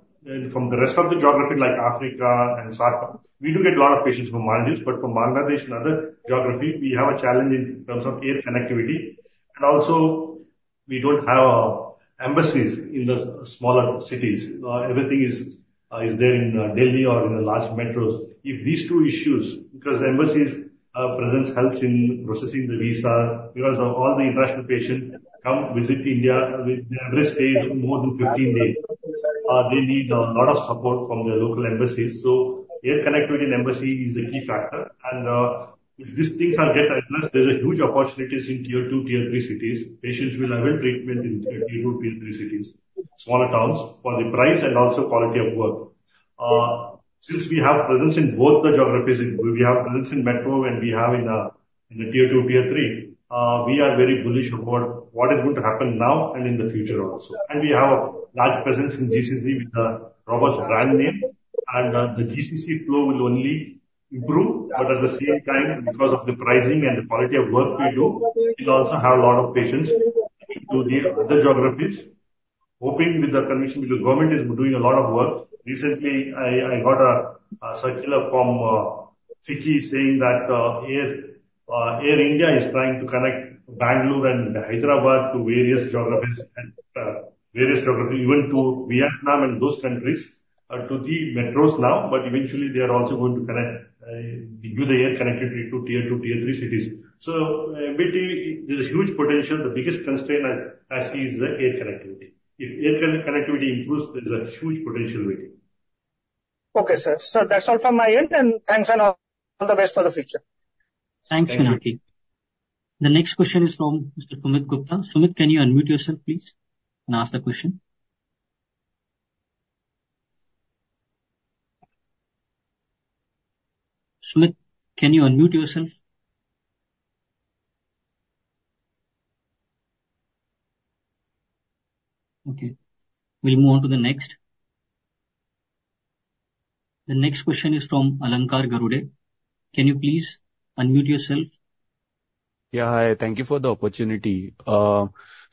from the rest of the geography, like Africa and SAARC, we do get a lot of patients from Maldives, but from Bangladesh and other geography, we have a challenge in terms of air connectivity. And also we don't have embassies in the smaller cities. Everything is there in Delhi or in the large metros. If these two issues, because the embassies presence helps in processing the visa, because all the international patients come visit India with the average stay is more than 15 days, they need a lot of support from their local embassies. So air connectivity and embassy is the key factor. If these things are get addressed, there's a huge opportunities in Tier 2, Tier 3 cities. Patients will have a treatment in Tier 2, Tier 3 cities, smaller towns, for the price and also quality of work. Since we have presence in both the geographies, we have presence in metro and we have in the Tier 2, Tier 3, we are very bullish about what is going to happen now and in the future also. And we have a large presence in GCC with a robust brand name, and, the GCC flow will only improve, but at the same time, because of the pricing and the quality of work we do, we'll also have a lot of patients coming to the other geographies, hoping with the conviction, because government is doing a lot of work. Recently, I got a circular from FICCI saying that Air India is trying to connect Bangalore and Hyderabad to various geographies and various geography, even to Vietnam and those countries to the metros now, but eventually they are also going to connect, give the air connectivity to Tier 2, Tier 3 cities. So there's a huge potential. The biggest constraint as I see is the air connectivity. If air connectivity improves, there's a huge potential waiting. Okay, sir. So that's all from my end, and thanks and all the best for the future. Thanks, Vinu. The next question is from Mr. Sumit Gupta. Sumit, can you unmute yourself, please, and ask the question? Sumit, can you unmute yourself? Okay, we'll move on to the next. The next question is from Alankar Garude. Can you please unmute yourself? Yeah, hi. Thank you for the opportunity.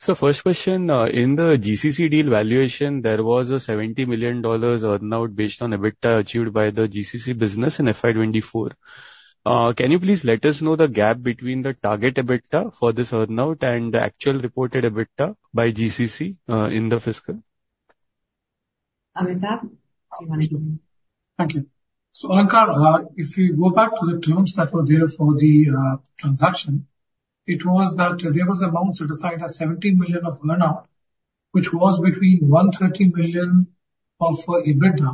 So first question, in the GCC deal valuation, there was a $70 million earn-out based on EBITDA achieved by the GCC business in FY 2024. Can you please let us know the gap between the target EBITDA for this earn-out and the actual reported EBITDA by GCC in the fiscal? Amitabh, do you want to? Thank you. So Alankar, if you go back to the terms that were there for the transaction, it was that there was amounts set aside as $17 million of earn-out, which was between $130 million of EBITDA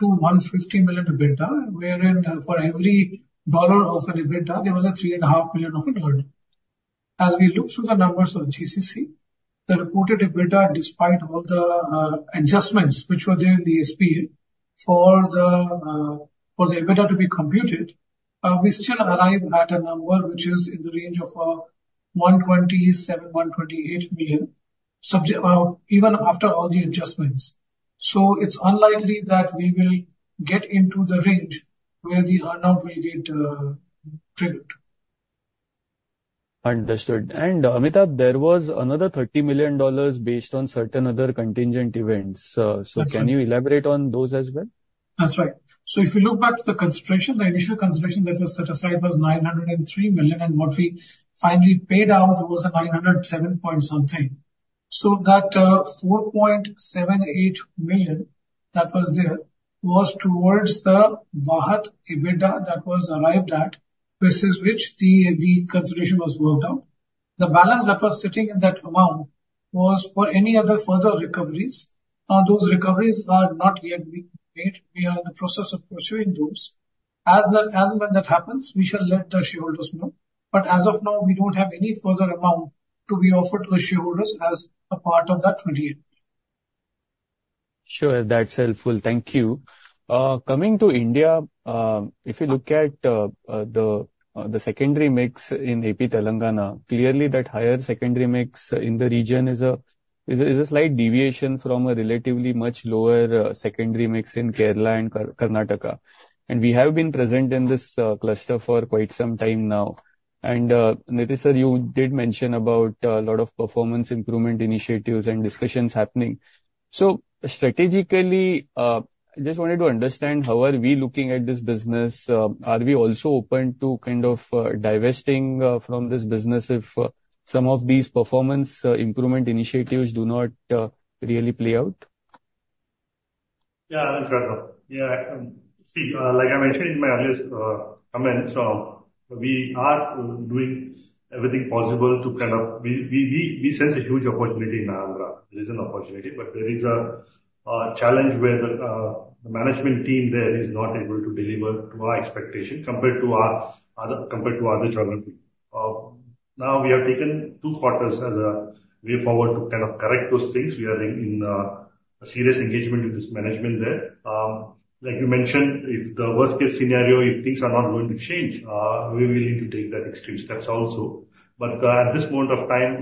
to $150 million EBITDA, wherein for every dollar of an EBITDA, there was a $3.5 million of earn-out. As we look through the numbers of GCC, the reported EBITDA, despite all the adjustments which were there in the SPA for the EBITDA to be computed, we still arrive at a number which is in the range of $127-$128 million, subject even after all the adjustments. So it's unlikely that we will get into the range where the earn-out will get triggered. Understood. Amitabh, there was another $30 million based on certain other contingent events. That's right. Can you elaborate on those as well? That's right. So if you look back to the consideration, the initial consideration that was set aside was $903 million, and what we finally paid out was $907 point something. So that, $4.78 million that was there, was towards the Vahat EBITDA that was arrived at, versus which the, the consideration was worked out. The balance that was sitting in that amount was for any other further recoveries. Those recoveries are not yet being made. We are in the process of pursuing those. As that, as and when that happens, we shall let the shareholders know, but as of now, we don't have any further amount to be offered to the shareholders as a part of that 28. Sure, that's helpful. Thank you. Coming to India, if you look at the secondary mix in AP Telangana, clearly that higher secondary mix in the region is a slight deviation from a relatively much lower secondary mix in Kerala and Karnataka. And we have been present in this cluster for quite some time now. And, Nitish, sir, you did mention about a lot of performance improvement initiatives and discussions happening. So strategically, I just wanted to understand, how are we looking at this business? Are we also open to kind of divesting from this business if some of these performance improvement initiatives do not really play out? Yeah, Alankar. Yeah, see, like I mentioned in my earlier comments, we are doing everything possible to sense a huge opportunity in Andhra. There is an opportunity, but there is a challenge where the management team there is not able to deliver to our expectation compared to our other, compared to other geography. Now, we have taken two quarters as a way forward to kind of correct those things. We are in a serious engagement with this management there. Like you mentioned, if the worst case scenario, if things are not going to change, we will need to take that extreme steps also. But, at this point of time,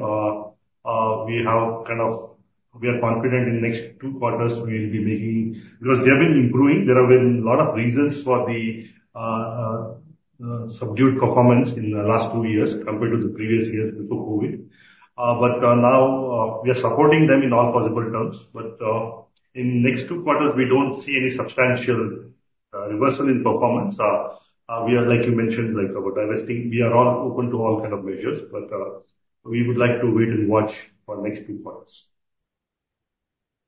we have kind of, we are confident in the next two quarters, we will be making-- Because they have been improving. There have been a lot of reasons for the subdued performance in the last two years compared to the previous years before COVID. But now we are supporting them in all possible terms. But in next two quarters, we don't see any substantial reversal in performance. We are, like you mentioned, like about divesting, we are all open to all kind of measures, but we would like to wait and watch for next two quarters.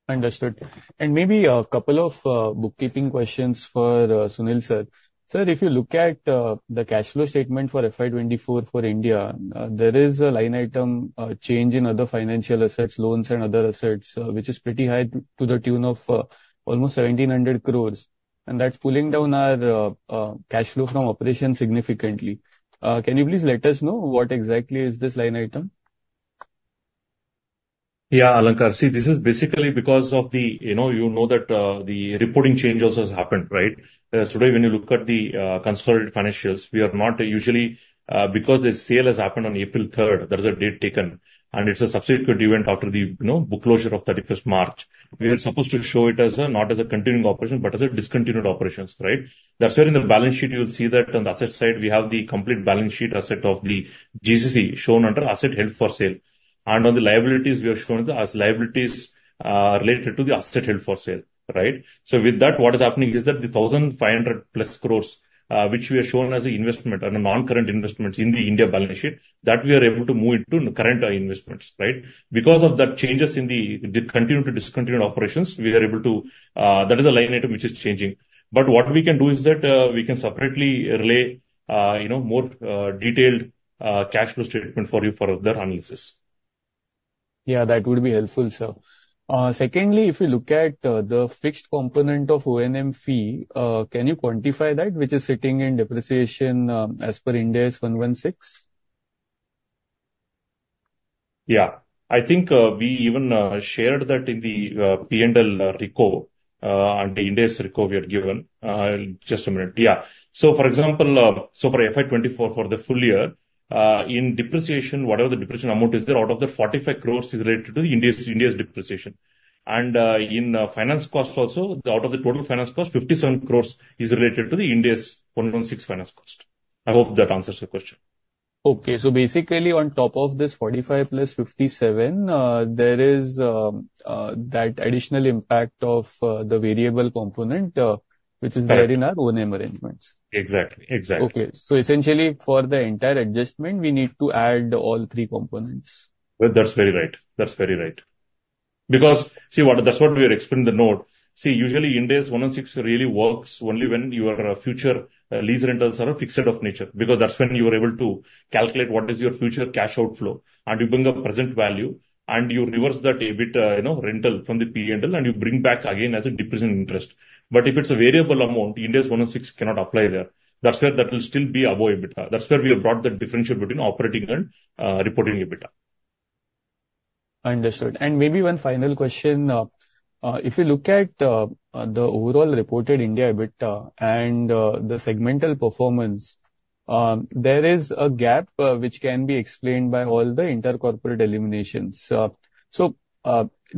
Understood. Maybe a couple of bookkeeping questions for Sunil, sir. Sir, if you look at the cash flow statement for FY 2024 for India, there is a line item, change in other financial assets, loans, and other assets, which is pretty high, to the tune of almost 1,700 crore, and that's pulling down our cash flow from operations significantly. Can you please let us know what exactly is this line item? Yeah, Alankar. See, this is basically because of the, you know, you know that, the reporting change also has happened, right? Today, when you look at the, consolidated financials, we have not usually, because the sale has happened on April third, that is a date taken, and it's a subsequent event after the, you know, book closure of thirty-first March. We are supposed to show it as a, not as a continuing operation, but as a discontinued operations, right? That's why in the balance sheet, you'll see that on the asset side, we have the complete balance sheet asset of the GCC shown under asset held for sale. And on the liabilities, we have shown them as liabilities, related to the asset held for sale, right? So with that, what is happening is that the 1,500+ crores, which we have shown as investment on a non-current investments in the India balance sheet, that we are able to move it to current, investments, right? Because of that changes in the, the continued to discontinued operations, we are able to, that is a line item which is changing. But what we can do is that, we can separately relay, you know, more, detailed, cash flow statement for you for further analysis. That would be helpful, sir. Secondly, if you look at the fixed component of O&M fee, can you quantify that, which is sitting in depreciation, as per Ind AS 116? Yeah. I think we even shared that in the P&L reco and the Ind AS reco we had given. Just a minute. Yeah. So for example, so for FY 2024, for the full year, in depreciation, whatever the depreciation amount is there, out of the 45 crore is related to the Ind AS, Ind AS depreciation. And in finance cost also, out of the total finance cost, 57 crore is related to the Ind AS 116 finance cost. I hope that answers your question. Okay. So basically on top of this 45 + 57, there is that additional impact of the variable component, which is there in our O&M arrangements. Exactly. Exactly. Okay. Essentially, for the entire adjustment, we need to add all three components. Well, that's very right. That's very right. Because see, what-- that's what we had explained in the note. See, usually, Ind AS 116 really works only when your future, lease rentals are fixed of nature, because that's when you are able to calculate what is your future cash outflow, and you bring a present value, and you reverse that EBIT, you know, rental from the PNL, and you bring back again as a depreciation interest. But if it's a variable amount, Ind AS 116 cannot apply there. That's where that will still be above EBITDA. That's where we have brought the differential between operating and, reporting EBITDA. Understood. Maybe one final question. If you look at the overall reported India EBITDA and the segmental performance, there is a gap which can be explained by all the intercorporate eliminations. So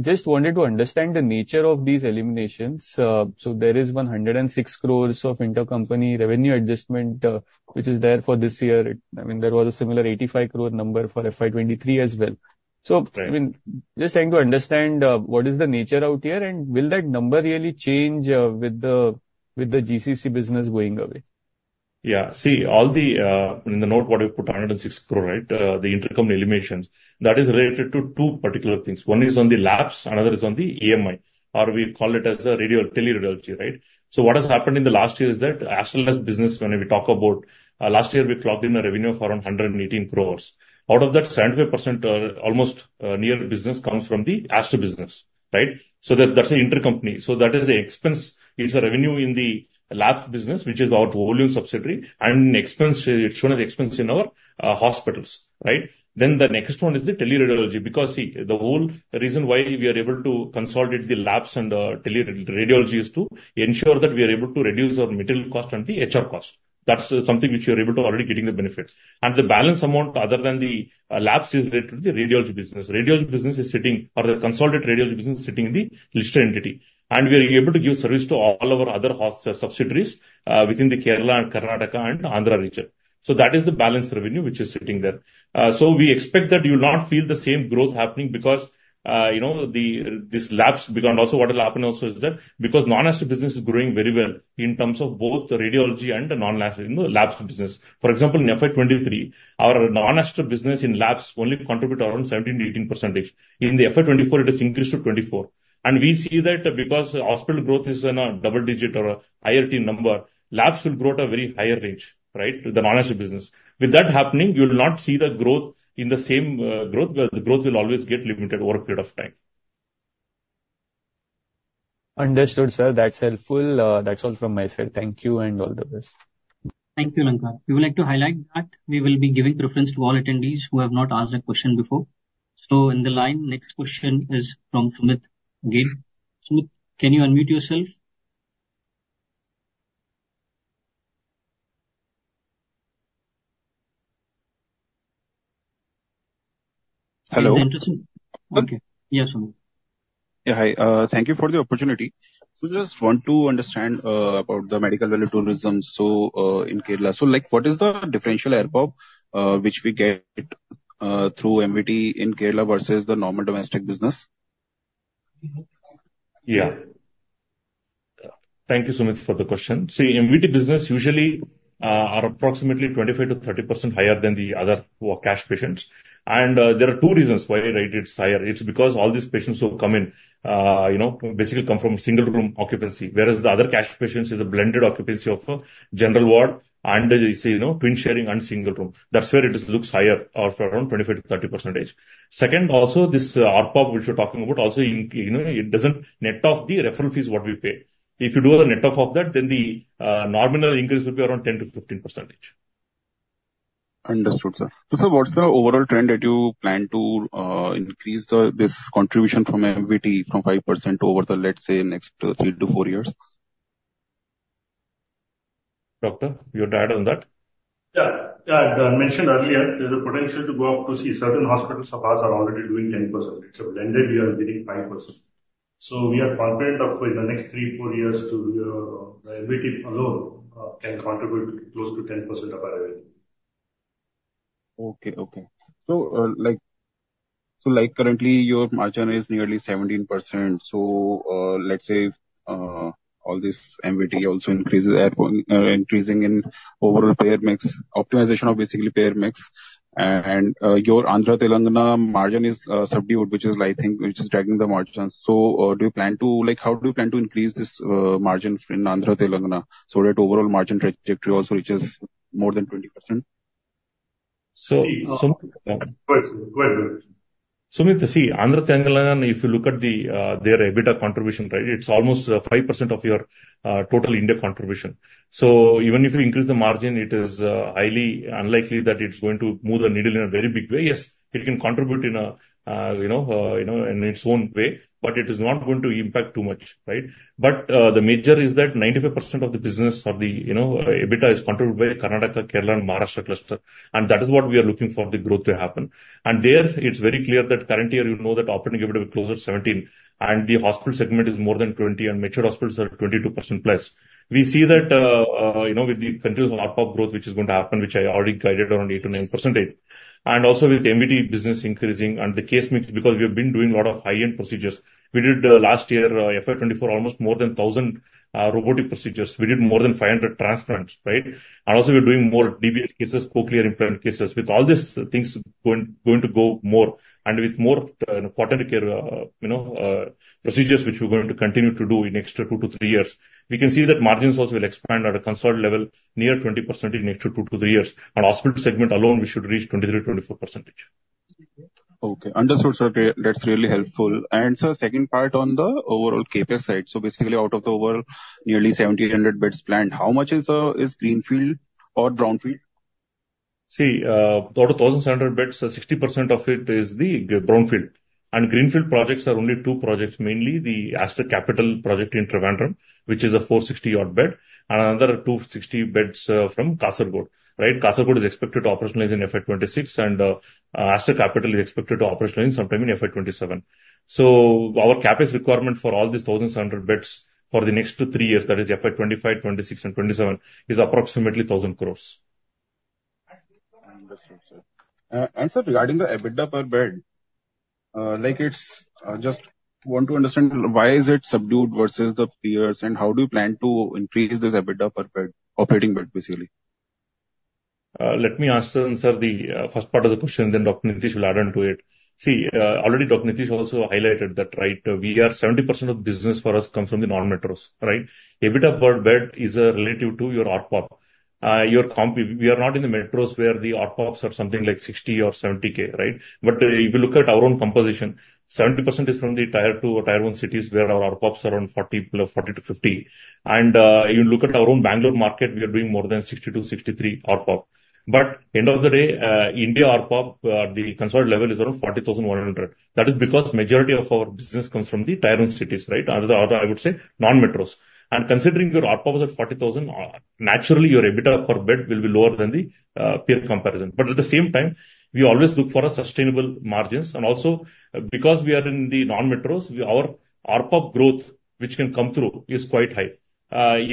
just wanted to understand the nature of these eliminations. So there is 106 crores of intercompany revenue adjustment which is there for this year. I mean, there was a similar 85 crore number for FY 2023 as well. Right. So, I mean, just trying to understand what is the nature out here, and will that number really change with the GCC business going away? Yeah. See, all the in the note, what we put 106 crore, right, the intercompany eliminations, that is related to two particular things. One is on the labs, another is on the AMI, or we call it as a radio or teleradiology, right? So what has happened in the last year is that Aster business, when we talk about last year, we clocked in a revenue for around 118 crore. Out of that, 75%, almost, near business comes from the Aster business, right? So that, that's the intercompany. So that is the expense. It's a revenue in the lab business, which is our holding subsidiary, and expense, it's shown as expense in our hospitals, right? Then the next one is the teleradiology, because, see, the whole reason why we are able to consolidate the labs and teleradiology is to ensure that we are able to reduce our material cost and the HR cost. That's something which we are able to already getting the benefits. And the balance amount, other than the labs, is related to the radiology business. Radiology business is sitting or the consolidated radiology business is sitting in the listed entity, and we are able to give service to all our other subsidiaries within the Kerala and Karnataka and Andhra region. So that is the balance revenue, which is sitting there. So we expect that you will not feel the same growth happening because, you know, the, this labs, because and also what will happen also is that because non-Aster business is growing very well in terms of both the radiology and the non-labs, you know, labs business. For example, in FY 2023, our non-Aster business in labs only contribute around 17-18%. In FY 2024, it has increased to 24. And we see that because hospital growth is in a double digit or a higher teen number, labs will grow at a very higher range, right, the non-Aster business. With that happening, you will not see the growth in the same, growth, because the growth will always get limited over a period of time. Understood, sir. That's helpful. That's all from myself. Thank you, and all the best. Thank you, Alankar. We would like to highlight that we will be giving preference to all attendees who have not asked a question before. So in the line, next question is from Sumeet Gill. Sumeet, can you unmute yourself? Hello? Yes, Sumit. Yeah, hi. Thank you for the opportunity. So just want to understand about the medical value tourism, so in Kerala. So, like, what is the differential ARPOB which we get through MVT in Kerala versus the normal domestic business? Yeah. Thank you, Sumit, for the question. See, MVT business usually are approximately 25%-30% higher than the other, who are cash patients. There are two reasons why the rate it's higher. It's because all these patients who come in, you know, basically come from single room occupancy, whereas the other cash patients is a blended occupancy of a general ward, and you see, you know, twin sharing and single room. That's where it is- looks higher, or around 25%-30%. Second, also, this ARPOB, which you're talking about, also, in, you know, it doesn't net off the referral fees, what we pay. If you do the net off of that, then the nominal increase will be around 10%-15%. Understood, sir. So, sir, what's the overall trend that you plan to increase the, this contribution from MVT from 5% over the, let's say, next three to four years? Doctor, you want to add on that? Yeah. Yeah, as I mentioned earlier, there's a potential to go up. See, certain hospitals of ours are already doing 10%. It's a blended, we are getting 5%. So we are confident of, in the next three, four years to, the MVT alone, can contribute close to 10% of our revenue. Okay, okay. So, like, so, like, currently, your margin is nearly 17%. So, let's say, all this MVT also increases, increasing in overall payer mix, optimization of basically payer mix. And, your Andhra Telangana margin is subdued, which is, I think, which is dragging the margins. How do you plan to increase this margin in Andhra Telangana so that overall margin trajectory also reaches more than 20%? Go ahead, go ahead. So we can see Andhra Telangana. If you look at their EBITDA contribution, right, it's almost 5% of your total India contribution. So even if you increase the margin, it is highly unlikely that it's going to move the needle in a very big way. Yes, it can contribute in a you know you know in its own way, but it is not going to impact too much, right? But the major is that 95% of the business or the you know EBITDA is contributed by Karnataka, Kerala, and Maharashtra cluster, and that is what we are looking for the growth to happen. And there, it's very clear that currently you know that operating EBITDA will be closer to 17, and the hospital segment is more than 20, and mature hospitals are 22%+. We see that, you know, with the continuous ARPOB growth, which is going to happen, which I already guided around 8%-9%, and also with the MVT business increasing and the case mix, because we have been doing a lot of high-end procedures. We did last year, FY 2024, almost more than 1,000 robotic procedures. We did more than 500 transplants, right? And also we're doing more deviate cases, cochlear implant cases. With all these things going to go more and with more of, quaternary care, you know, procedures, which we're going to continue to do in the next two to three years, we can see that margins also will expand at a constant level, near 20% in next two to three years. And hospital segment alone, we should reach 23%-24%. Okay. Understood, sir. That, that's really helpful. And sir, second part on the overall CapEx side. So basically, out of the over nearly 1,700 beds planned, how much is greenfield or brownfield? See, out of 1,700 beds, 60% of it is the brownfield. Greenfield projects are only two projects, mainly the Aster Capital project in Trivandrum, which is a 460-odd bed, and another 260 beds from Kasaragod. Right? Kasaragod is expected to operationalize in FY 2026, and Aster Capital is expected to operationalize sometime in FY 2027. So our CapEx requirement for all these 1,700 beds for the next two, three years, that is FY 2025, 2026 and 2027, is approximately INR 1,000 crore. Understood, sir. And sir, regarding the EBITDA per bed, like it's just want to understand why is it subdued versus the peers, and how do you plan to increase this EBITDA per bed, operating bed, basically? Let me answer the first part of the question, then Dr. Nitish will add on to it. See, already Dr. Nitish also highlighted that, right? We are 70% of business for us comes from the non-metros, right? EBITDA per bed is relative to your ARPOB. We are not in the metros where the ARPOBs are something like 60,000 or 70,000, right? But if you look at our own composition, 70% is from the Tier 2 or Tier 1 cities, where our ARPOBs are around 40,000, 40,000-50,000. And, you look at our own Bangalore market, we are doing more than 62,000, 63,000 ARPOB. But end of the day, India ARPOB, the consult level is around 41,100. That is because majority of our business comes from the Tier 1 cities, right? Or the other, I would say, non-metros. And considering your ARPOB is at 40,000, naturally, your EBITDA per bed will be lower than the peer comparison. But at the same time, we always look for sustainable margins, and also because we are in the non-metros, our ARPOB growth, which can come through, is quite high.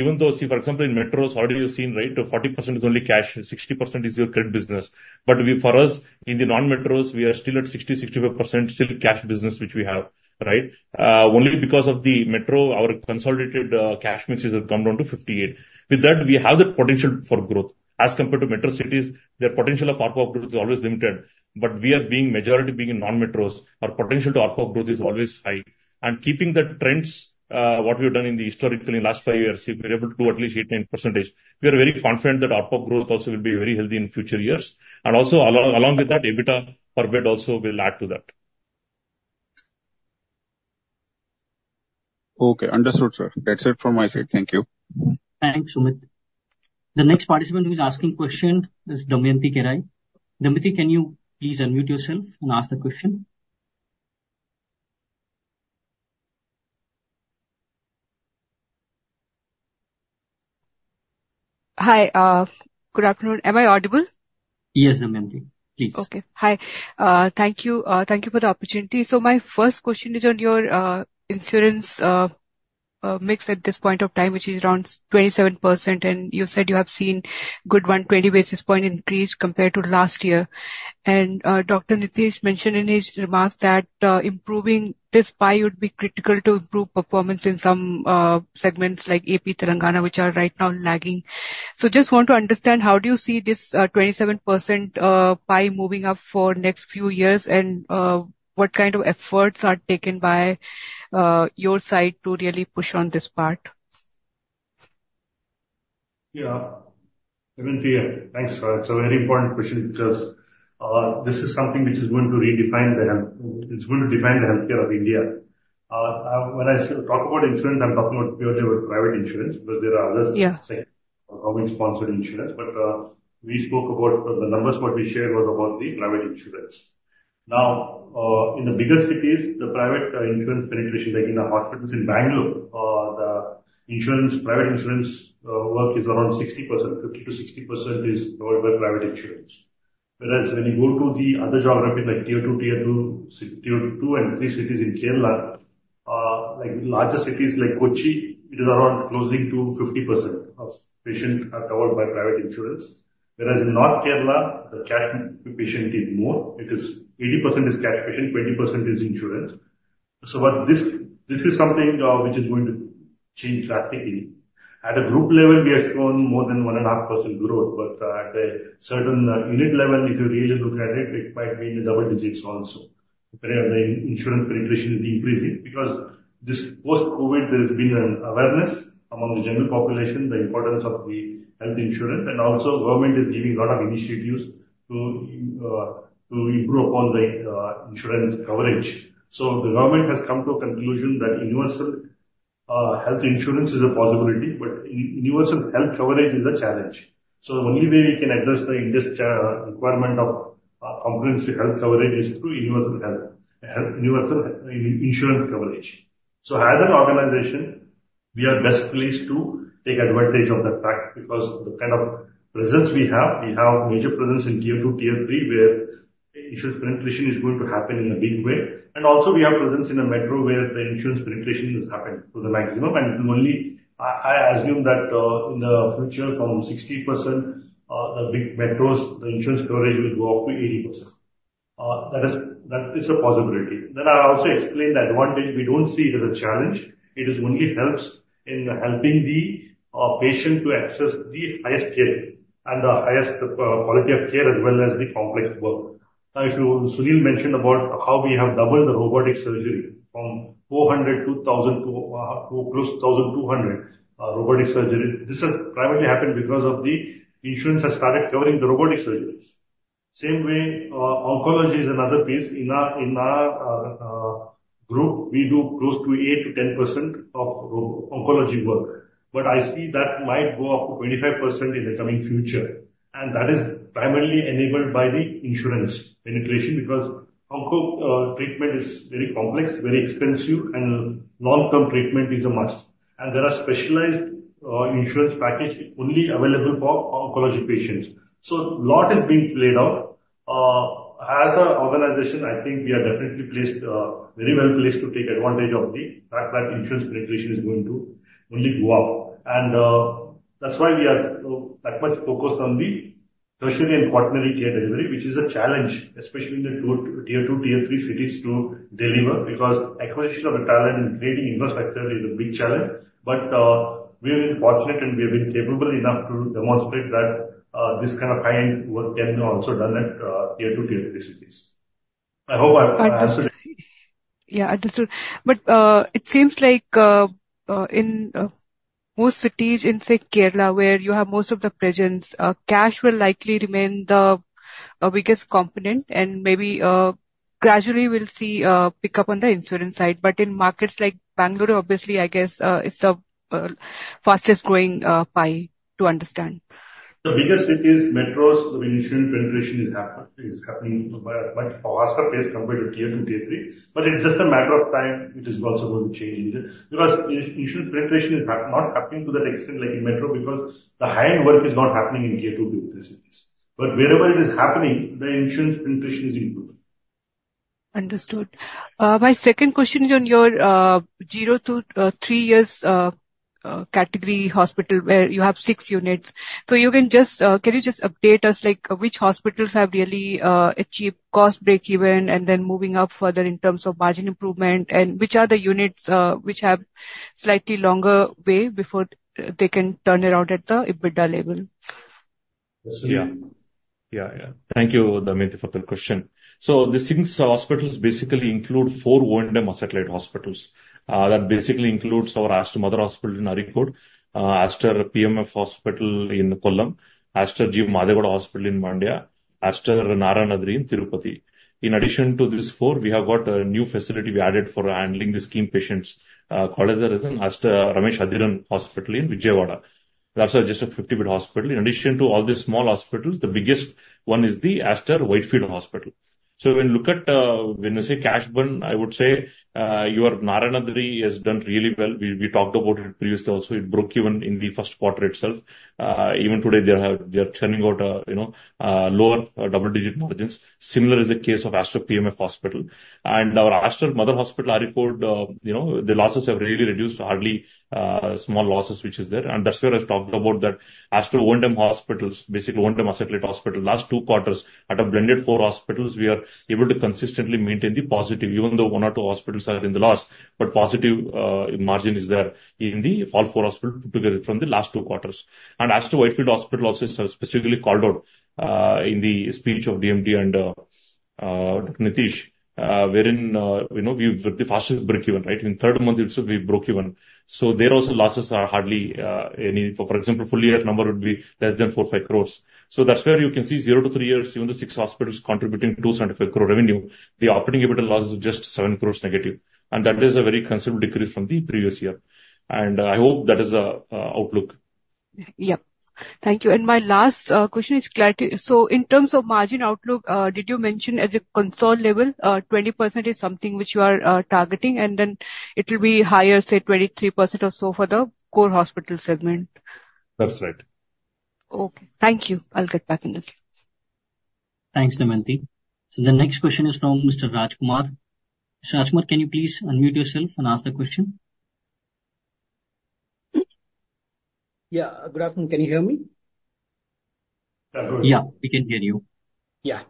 Even though, see, for example, in metros, already you've seen, right, 40% is only cash, 60% is your credit business. But for us, in the non-metros, we are still at 60%-65% still cash business, which we have, right? Only because of the metro, our consolidated cash mix has come down to 58%. With that, we have the potential for growth. As compared to metro cities, their potential of ARPOB growth is always limited. But we are being majority in non-metros, our potential to ARPOB growth is always high. Keeping the trends, what we've done historically in the last five years, we were able to grow at least 8%-9%. We are very confident that ARPOB growth also will be very healthy in future years. And also, along with that, EBITDA per bed also will add to that. Okay. Understood, sir. That's it from my side. Thank you. Thanks, Sumit. The next participant who is asking question is Damayanti Kerai. Damayanti, can you please unmute yourself and ask the question? Hi, good afternoon. Am I audible? Yes, Damayanti, please. Okay. Hi, thank you. Thank you for the opportunity. So my first question is on your insurance mix at this point of time, which is around 27%, and you said you have seen good 120 basis point increase compared to last year. And, Dr. Nitish mentioned in his remarks that improving this pie would be critical to improve performance in some segments like AP Telangana, which are right now lagging. So just want to understand, how do you see this 27% pie moving up for next few years? And, what kind of efforts are taken by your side to really push on this part? Yeah. Damayanti, thanks. So a very important question, because this is something which is going to redefine the healthcare of India. When I talk about insurance, I'm talking about purely with private insurance, because there are others like government-sponsored insurance. But we spoke about the numbers what we shared was about the private insurance. Now, in the bigger cities, the private insurance penetration, like in the hospitals in Bangalore, the insurance, private insurance work is around 60%. 50%-60% is covered by private insurance. Whereas when you go to the other geography, like Tier 2, Tier 3 cities in Kerala, like larger cities like Kochi, it is around close to 50% of patients are covered by private insurance. Whereas in North Kerala, the cash patient is more. It is 80% is cash patient, 20% is insurance. So what this, this is something which is going to change drastically. At a group level, we have shown more than 1.5% growth, but at a certain unit level, if you really look at it, it might be in the double digits also. The insurance penetration is increasing, because this post-COVID, there's been an awareness among the general population, the importance of the health insurance, and also government is giving a lot of initiatives to improve upon the insurance coverage. So the government has come to a conclusion that universal health insurance is a possibility, but universal health coverage is a challenge. So the only way we can address the industry requirement of comprehensive health coverage is through universal health insurance coverage. So as an organization, we are best placed to take advantage of that fact because the kind of presence we have, we have major presence in Tier 2, Tier 3, where insurance penetration is going to happen in a big way. And also we have presence in the metro, where the insurance penetration has happened to the maximum, and it will only I assume that in the future, from 60%, the big metros, the insurance coverage will go up to 80%. That is a possibility. Then I also explained the advantage. We don't see it as a challenge. It is only helps in helping the patient to access the highest care and the highest quality of care, as well as the complex work. Now, if you-- Sunil mentioned about how we have doubled the robotic surgery from 400 to 1,000 to close to 1,200 robotic surgeries. This has primarily happened because of the insurance has started covering the robotic surgeries. Same way, oncology is another case. In our group, we do close to 8%-10% of oncology work, but I see that might go up to 25% in the coming future, and that is primarily enabled by the insurance penetration, because oncology treatment is very complex, very expensive, and long-term treatment is a must. And there are specialized insurance package only available for oncology patients. So a lot is being played out. As an organization, I think we are definitely placed, very well placed to take advantage of the fact that insurance penetration is going to only go up. And, that's why we are so that much focused on the tertiary and quaternary care delivery, which is a challenge, especially in Tier 2, Tier 3 cities to deliver, because acquisition of the talent and creating infrastructure is a big challenge. But, we have been fortunate, and we have been capable enough to demonstrate that, this kind of high-end work can be also done at, Tier 2, Tier 3 cities. I hope I answered it. Yeah, understood. But it seems like in most cities in, say, Kerala, where you have most of the presence, cash will likely remain the biggest component, and maybe gradually we'll see a pickup on the insurance side. But in markets like Bangalore, obviously, I guess, it's the fastest-growing pie to understand. The biggest cities, metros, the insurance penetration is happening by a much faster pace compared to Tier 2, Tier 3, but it's just a matter of time. It is also going to change because insurance penetration is not happening to that extent like in metro, because the high-end work is not happening in Tier 2 cities. But wherever it is happening, the insurance penetration is improving. Understood. My second question is on your 0 to 3 years category hospital, where you have 6 units. So, can you just update us, like, which hospitals have really achieved cost break even and then moving up further in terms of margin improvement, and which are the units which have slightly longer way before they can turn around at the EBITDA level? Yeah. Yeah, yeah. Thank you, Damayanti, for the question. So the six hospitals basically include four owned and satellite hospitals. That basically includes our Aster Mother Hospital in Kozhikode, Aster PMF Hospital in Kollam, Aster G Madegowda Hospital in Mandya, Aster Narayanadri Hospital in Tirupati. In addition to these four, we have got a new facility we added for handling the scheme patients, called as Aster Ramesh Hospitals in Vijayawada. That's just a 50-bed hospital. In addition to all these small hospitals, the biggest one is the Aster Whitefield Hospital. So when you look at, when you say cash burn, I would say, your Narayanadri has done really well. We talked about it previously also. It broke even in the first quarter itself. Even today, they are turning out, you know, lower double-digit margins. Similar is the case of Aster PMF Hospital. Our Aster Mother Hospital, I report, you know, the losses have really reduced to hardly, small losses, which is there. That's where I've talked about that Aster owned and hospitals, basically, owned and satellite hospital. Last two quarters, out of blended four hospitals, we are able to consistently maintain the positive, even though 1 or 2 hospitals are in the loss, but positive margin is there in the all 4 hospitals together from the last 2 quarters. And Aster Whitefield Hospital also specifically called out in the speech of DMT and Nitish, wherein you know, we were the fastest break even, right? In third month itself, we broke even. For example, full year number would be less than 4 crore-5 crore. So that's where you can see 0-3 years, even the 6 hospitals contributing 275 crore revenue, the operating EBITDA loss is just 7 crore negative, and that is a very considerable decrease from the previous year. And I hope that is outlook. Yeah. Thank you. And my last question is clarity. So in terms of margin outlook, did you mention at the consolidated level, 20% is something which you are targeting, and then it will be higher, say, 23% or so for the core hospital segment? That's right. Okay. Thank you. I'll get back in touch. Thanks, Damayanti. So the next question is from Mr. Rajkumar. Mr. Rajkumar, can you please unmute yourself and ask the question? Yeah. Good afternoon. Can you hear me? Yeah, we can hear you. Yeah.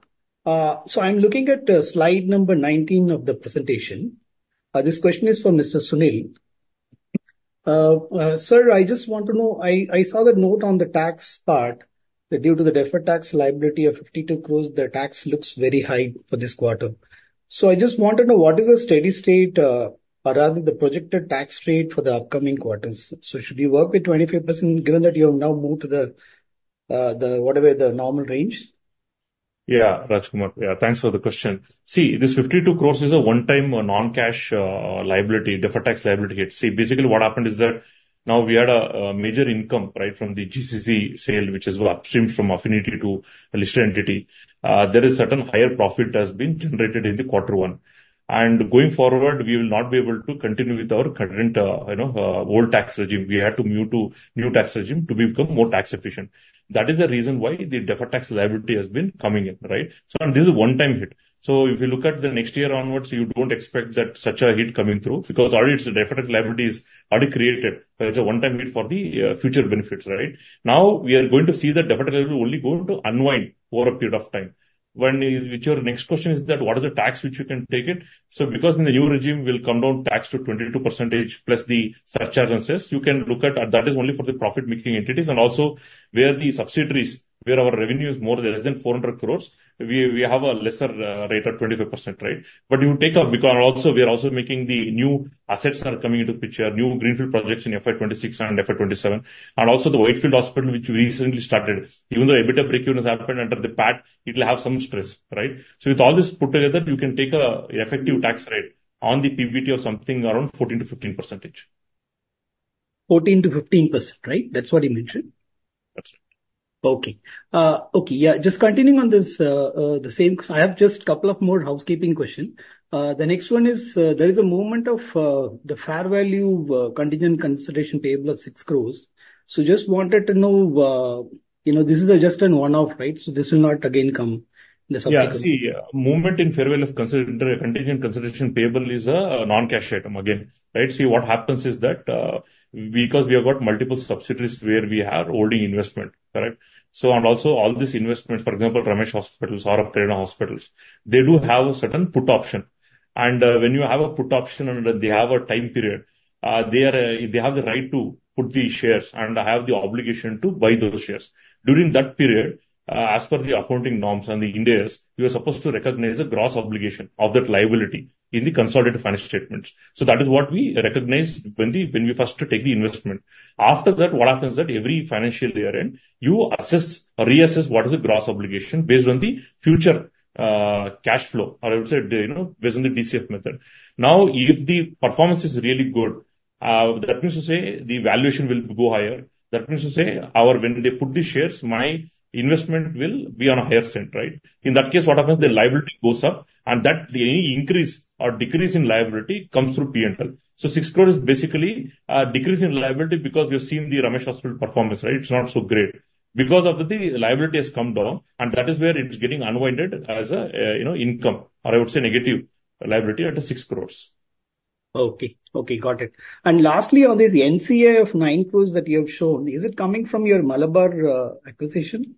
So I'm looking at slide number 19 of the presentation. This question is for Mr. Sunil, Sir, I just want to know, I saw the note on the tax part, that due to the deferred tax liability of 52 crore, the tax looks very high for this quarter. So I just want to know what is the steady state, or rather the projected tax rate for the upcoming quarters? So should we work with 25%, given that you have now moved to the, whatever, the normal range? Yeah, Rajkumar. Yeah, thanks for the question. See, this 52 crore is a one-time non-cash liability, deferred tax liability hit. See, basically what happened is that now we had a major income, right? From the GCC sale, which is upstream from Affinity to a listed entity. There is certain higher profit has been generated in the quarter one. And going forward, we will not be able to continue with our current, you know, old tax regime. We had to move to new tax regime to become more tax efficient. That is the reason why the deferred tax liability has been coming in, right? So and this is a one-time hit. So if you look at the next year onwards, you don't expect that such a hit coming through, because already the deferred liabilities are already created as a one-time hit for the future benefits, right? Now, we are going to see the deferred liability only going to unwind over a period of time. When, which your next question is that what is the tax which you can take it? So because in the new regime, we'll come down tax to 22%, plus the surcharge and cess. You can look at, and that is only for the profit-making entities, and also where the subsidiaries, where our revenue is more, less than 400 crore, we, we have a lesser rate of 25%, right? But you take up, because also we are also making the new assets that are coming into picture, new greenfield projects in FY 2026 and FY 2027, and also the Whitefield hospital, which we recently started. Even though EBITDA breakeven has happened under the PAT, it will have some stress, right? So with all this put together, you can take a effective tax rate on the PBT of something around 14%-15%. 14%-15%, right? That's what you mentioned. That's right. Okay. Okay, yeah, just continuing on this, the same, I have just a couple of more housekeeping question. The next one is, there is a movement of, the fair value, contingent consideration payable of 6 crore. So just wanted to know, you know, this is just a one-off, right? So this will not again come in the subsequent- Yeah, see, movement in fair value of contingent consideration payable is a non-cash item again, right? See, what happens is that because we have got multiple subsidiaries where we have holding investment, correct. So and also all these investments, for example, Ramesh Hospitals or Prerana Hospitals, they do have a certain put option. And when you have a put option and they have a time period, they are, they have the right to put the shares, and I have the obligation to buy those shares. During that period, as per the accounting norms and the Ind AS, you are supposed to recognize a gross obligation of that liability in the consolidated financial statements. So that is what we recognize when we, when we first take the investment. After that, what happens that every financial year end, you assess or reassess what is the gross obligation based on the future, cash flow, or I would say, you know, based on the DCF method. Now, if the performance is really good, that means to say the valuation will go higher. That means to say our, when they put the shares, my investment will be on a higher cent, right? In that case, what happens? The liability goes up, and that any increase or decrease in liability comes through PNL. So 6 crore is basically a decrease in liability because we have seen the Ramesh Hospitals performance, right? It's not so great. Because of it, the liability has come down, and that is where it is getting unwinded as a, you know, income, or I would say negative liability under 6 crores. Okay. Okay, got it. And lastly, on this NCI of 9 crore that you have shown, is it coming from your Malabar acquisition?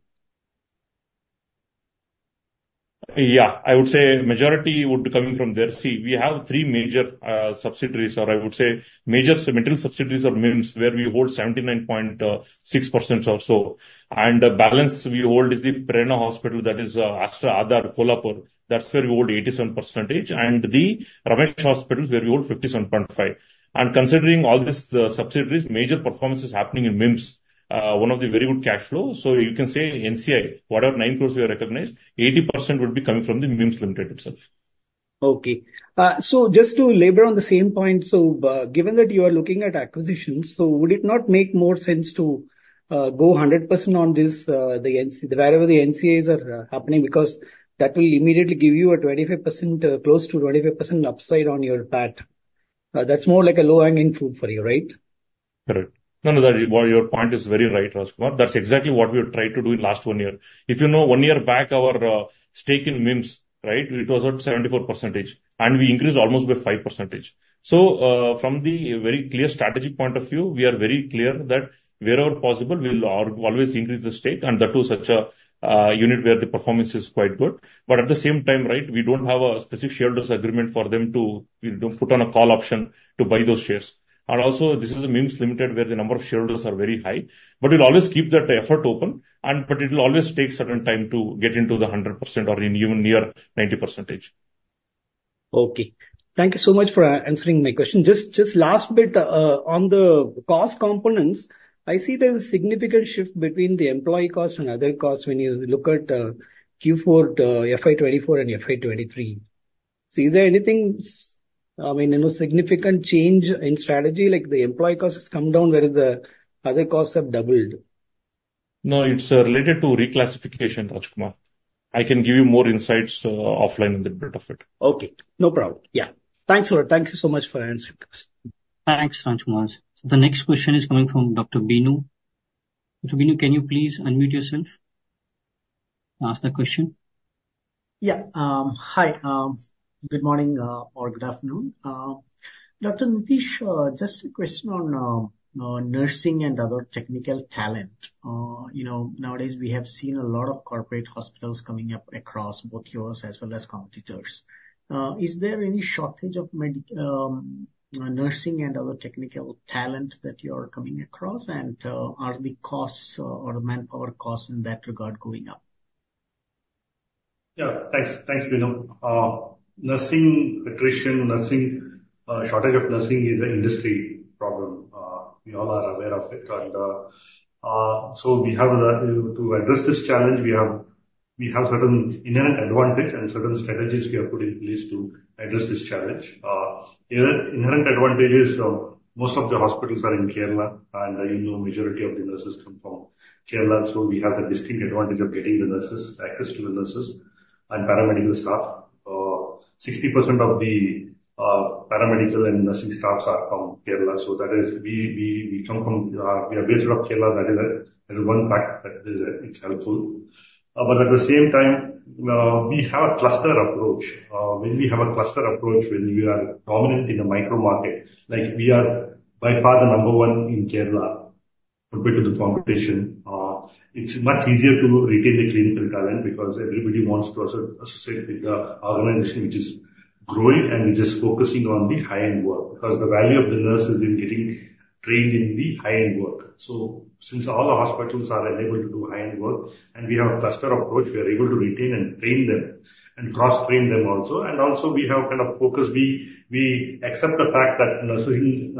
Yeah, I would say majority would be coming from there. See, we have three major subsidiaries, or I would say major material subsidiaries of MIMS, where we hold 79.6% or so. And the balance we hold is the Prerana Hospital, that is, Aster Aadhar Kolhapur, that's where we hold 87%, and the Ramesh Hospitals, where we hold 57.5. And considering all these subsidiaries, major performance is happening in MIMS, one of the very good cash flows. So you can say NCI, whatever 9 crore we have recognized, 80% would be coming from the MIMS Limited itself. Okay. So just to labor on the same point, given that you are looking at acquisitions, would it not make more sense to go 100% on this, the NCIs wherever the NCIs are happening? Because that will immediately give you a 25%, close to 25% upside on your PAT. That's more like a low-hanging fruit for you, right? Correct. No, no, your point is very right, Rajkumar. That's exactly what we have tried to do in last one year. If you know, one year back, our stake in MIMS, right, it was at 74%, and we increased almost by 5%. So, from the very clear strategic point of view, we are very clear that wherever possible, we will always increase the stake, and that too, such a unit where the performance is quite good. But at the same time, right, we don't have a specific shareholders agreement for them to, you know, put on a call option to buy those shares. And also, this is MIMS Limited, where the number of shareholders are very high, but we'll always keep that effort open, and but it will always take certain time to get into the 100% or even near 90%. Okay. Thank you so much for answering my question. Just, just last bit, on the cost components, I see there's a significant shift between the employee costs and other costs when you look at, Q4, FY 24 and FY 23. So is there anything, I mean, any significant change in strategy, like the employee costs come down, whereas the other costs have doubled? No, it's related to reclassification, Rajkumar. I can give you more insights, offline on the bit of it. Okay, no problem. Yeah. Thanks a lot. Thank you so much for answering this. Thanks, Rajkumar. So the next question is coming from Dr. Vinu. Dr. Vinu, can you please unmute yourself to ask the question? Yeah, hi, good morning or good afternoon. Dr. Nitish, just a question on nursing and other technical talent. You know, nowadays we have seen a lot of corporate hospitals coming up across both yours as well as competitors. Is there any shortage of nursing and other technical talent that you are coming across? And are the costs or the manpower costs in that regard going up? Yeah. Thanks. Thanks, Vinu. Nursing attrition, nursing shortage of nursing is an industry problem. We all are aware of it. So we have to address this challenge, we have certain inherent advantage and certain strategies we have put in place to address this challenge. Inherent advantage is, most of the hospitals are in Kerala, and, you know, majority of the nurses come from Kerala, so we have the distinct advantage of getting the nurses, access to the nurses and paramedical staff. 60% of the paramedical and nursing staffs are from Kerala, so that is we come from, we are based off Kerala. That is one fact that is helpful. But at the same time, we have a cluster approach. When we have a cluster approach, when we are dominant in a micro market, like we are by far the number one in Kerala compared to the competition, it's much easier to retain the clinical talent because everybody wants to associate with the organization which is growing and which is focusing on the high-end work. Because the value of the nurses in getting trained in the high-end work. So since all the hospitals are enabled to do high-end work and we have a cluster approach, we are able to retain and train them, and cross-train them also. And also we have kind of focus. We accept the fact that nursing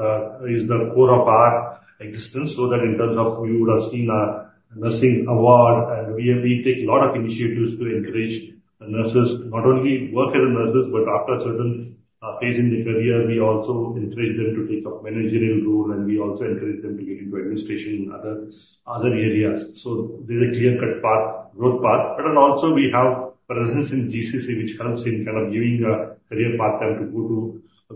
is the core of our existence, so that in terms of you would have seen our nursing award, and we take a lot of initiatives to encourage the nurses to not only work as nurses, but after a certain phase in their career, we also encourage them to take up managerial role, and we also encourage them to get into administration in other areas. So there's a clear-cut path, growth path. But then also we have presence in GCC, which helps in kind of giving a career path than to go to.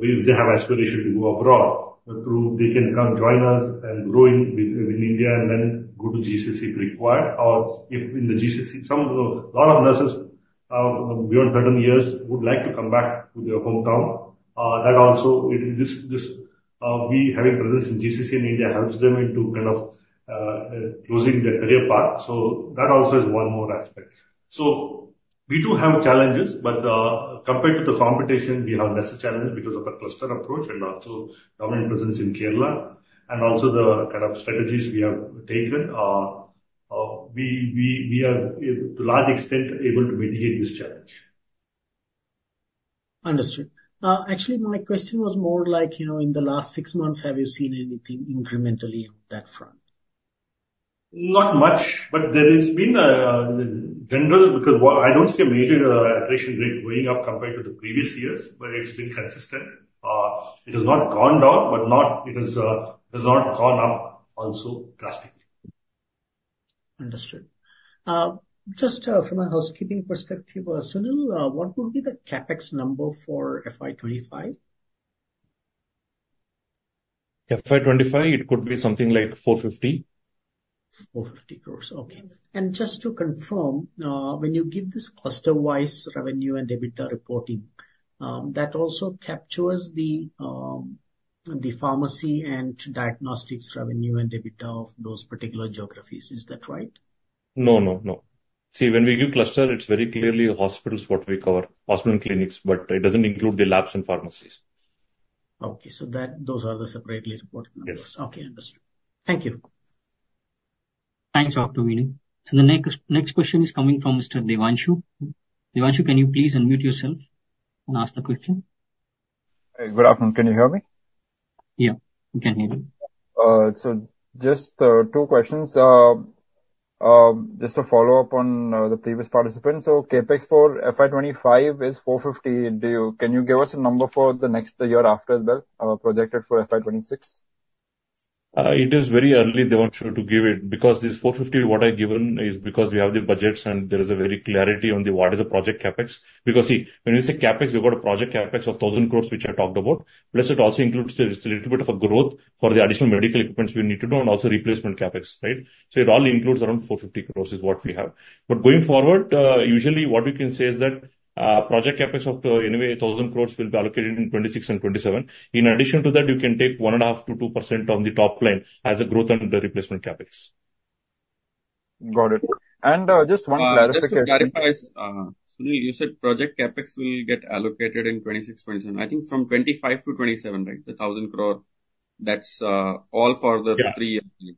If they have aspiration to go abroad, but they can kind of join us and grow in India and then go to GCC if required, or if in the GCC, some of the lot of nurses beyond certain years would like to come back to their hometown. That also it, this, this, we having presence in GCC and India helps them into kind of closing their career path. So that also is one more aspect. So we do have challenges, but compared to the competition, we have lesser challenges because of the cluster approach and also dominant presence in Kerala, and also the kind of strategies we have taken. We are able, to large extent, able to mitigate this challenge. Understood. Actually, my question was more like, you know, in the last six months, have you seen anything incrementally on that front? Not much, but there has been a general, because what I don't see a major attrition rate going up compared to the previous years, but it's been consistent. It has not gone down, but not, it has, has not gone up also drastically. Understood. Just, from a housekeeping perspective, Sunil, what would be the CapEx number for FY 25? FY 25, it could be something like 450. 450 crore. Okay. And just to confirm, when you give this cluster-wise revenue and EBITDA reporting, that also captures the, the pharmacy and diagnostics revenue, and EBITDA of those particular geographies. Is that right? No, no, no. See, when we give cluster, it's very clearly hospitals, what we cover, hospital and clinics, but it doesn't include the labs and pharmacies. Okay. So that, those are the separately reported numbers. Yes. Okay, understood. Thank you. Thanks, Dr. Vinu. So the next, next question is coming from Mr. Devanshu. Devanshu, can you please unmute yourself and ask the question? Hi, good afternoon. Can you hear me? Yeah, we can hear you. Just two questions. Just to follow up on the previous participant. CapEx for FY 2025 is 450. Do you, can you give us a number for the next year after as well, projected for FY 2026? It is very early, Devanshu, to give it, because this 450, what I've given is because we have the budgets, and there is a very clarity on the what is the project CapEx. Because, see, when we say CapEx, we've got a project CapEx of 1,000 crores, which I talked about. Plus it also includes a, a little bit of a growth for the additional medical equipments we need to do and also replacement CapEx, right? So it all includes around 450 crores is what we have. But going forward, usually what we can say is that, project CapEx of anyway 1,000 crores will be allocated in 2026 and 2027. In addition to that, you can take 1.5%-2% on the top line as a growth under the replacement CapEx. Got it. And, just one clarification- Just to clarify, Sunil, you said project CapEx will get allocated in 2026, 2027. I think from 2025 to 2027, right? The 1,000 crore, that's all for the three years.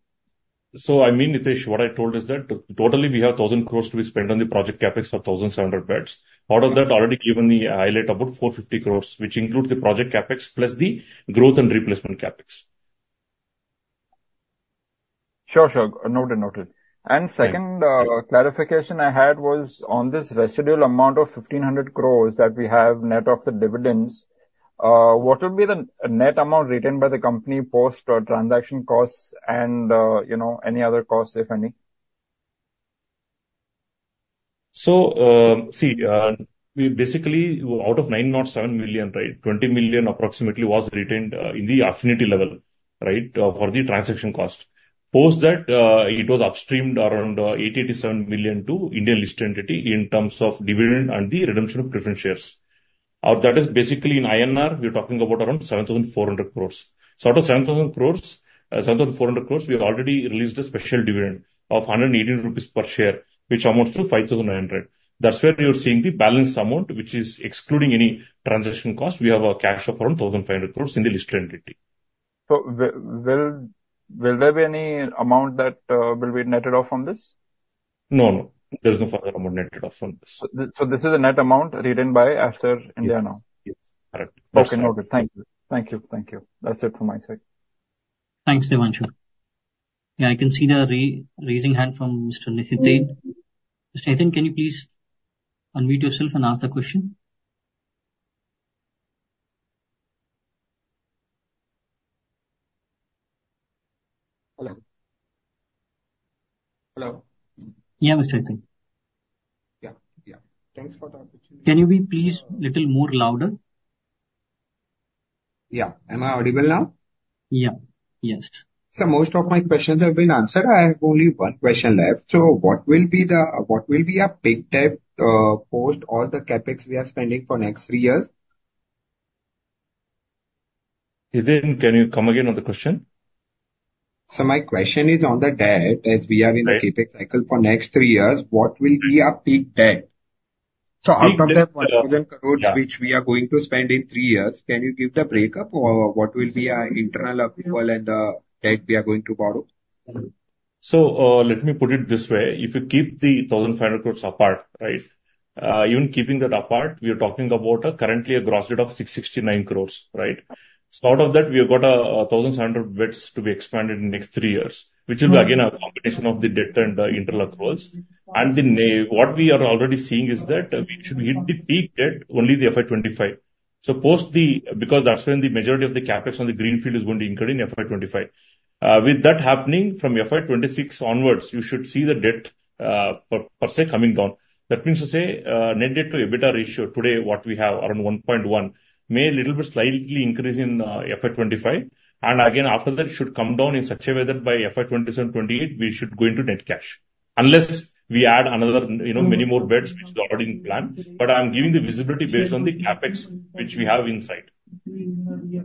So, I mean, Nitish, what I told is that totally we have 1,000 crore to be spent on the project CapEx for 1,700 beds. Out of that, already given the highlight about 450 crore, which includes the project CapEx plus the growth and replacement CapEx. Sure, sure. Noted, noted. And second, clarification I had was on this residual amount of 1,500 crores that we have net of the dividends, what would be the net amount retained by the company post or transaction costs and, you know, any other costs, if any? We basically, out of $907 million, $20 million approximately was retained in the Affinity level for the transaction cost. Post that, it was upstreamed around $87 million to Indian listed entity in terms of dividend and the redemption of preference shares. That is basically in INR, we are talking about around 7,400 crore. So out of 7,000 crore, 7,400 crore, we have already released a special dividend of 180 rupees per share, which amounts to 5,900 crore. That's where you're seeing the balance amount, which is excluding any transaction cost. We have a cash of around 1,500 crore in the listed entity. Will there be any amount that will be netted off from this? No, no. There's no further amount netted off from this. So, this is a net amount retained by Aster in India now? Yes. Correct. Okay, noted. Thank you. Thank you, thank you. That's it from my side. Thanks, Devanshu. Yeah, I can see the raised hand from Mr. Nithin. Mr. Nithin, can you please unmute yourself and ask the question? Hello? Hello. Yeah, Mr. Nithin. Yeah, yeah. Thanks for the opportunity. Can you be please little more louder? Yeah. Am I audible now? Yeah. Yes. So most of my questions have been answered. I have only one question left. What will be our peak debt post all the CapEx we are spending for next three years? Nithin, can you come again on the question? My question is on the debt. As we are in the CapEx cycle for next three years, what will be our peak debt? Out of the 1,000 crore which we are going to spend in three years, can you give the breakup or what will be our internal approval and debt we are going to borrow? So, let me put it this way, if you keep the 1,500 crore apart, right? Even keeping that apart, we are talking about currently a gross rate of 669 crore, right? So out of that, we have got 1,700 beds to be expanded in the next three years, which will be again a combination of the debt and the internal accruals. And what we are already seeing is that we should hit the peak debt only in FY 2025. Because that's when the majority of the CapEx on the greenfield is going to incur in FY 2025. With that happening, from FY 2026 onwards, you should see the debt, per se, coming down. That means to say, net debt to EBITDA ratio, today what we have, around 1.1, may a little bit slightly increase in FY 2025. And again, after that, it should come down in such a way that by FY 2027, 2028, we should go into net cash. Unless we add another, you know, many more beds, which is already in plan. But I'm giving the visibility based on the CapEx which we have in sight. Anyway,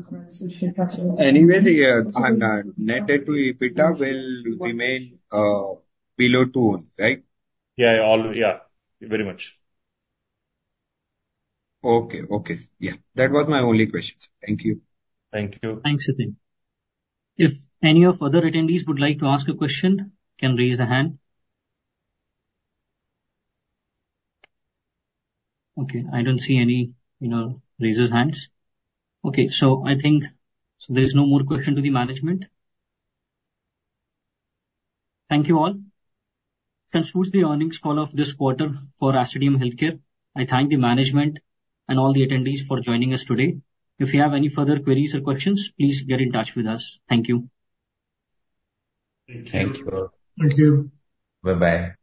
the net debt to EBITDA will remain below 2.1, right? Yeah, all, yeah, very much. Okay. Okay. Yeah, that was my only question. Thank you. Thank you. Thanks, Nithin. If any of other attendees would like to ask a question, can raise their hand. Okay, I don't see any, you know, raises hands. Okay, so I think there is no more question to the management. Thank you all. Concludes the earnings call of this quarter for Aster DM Healthcare. I thank the management and all the attendees for joining us today. If you have any further queries or questions, please get in touch with us. Thank you. Thank you. Bye-bye.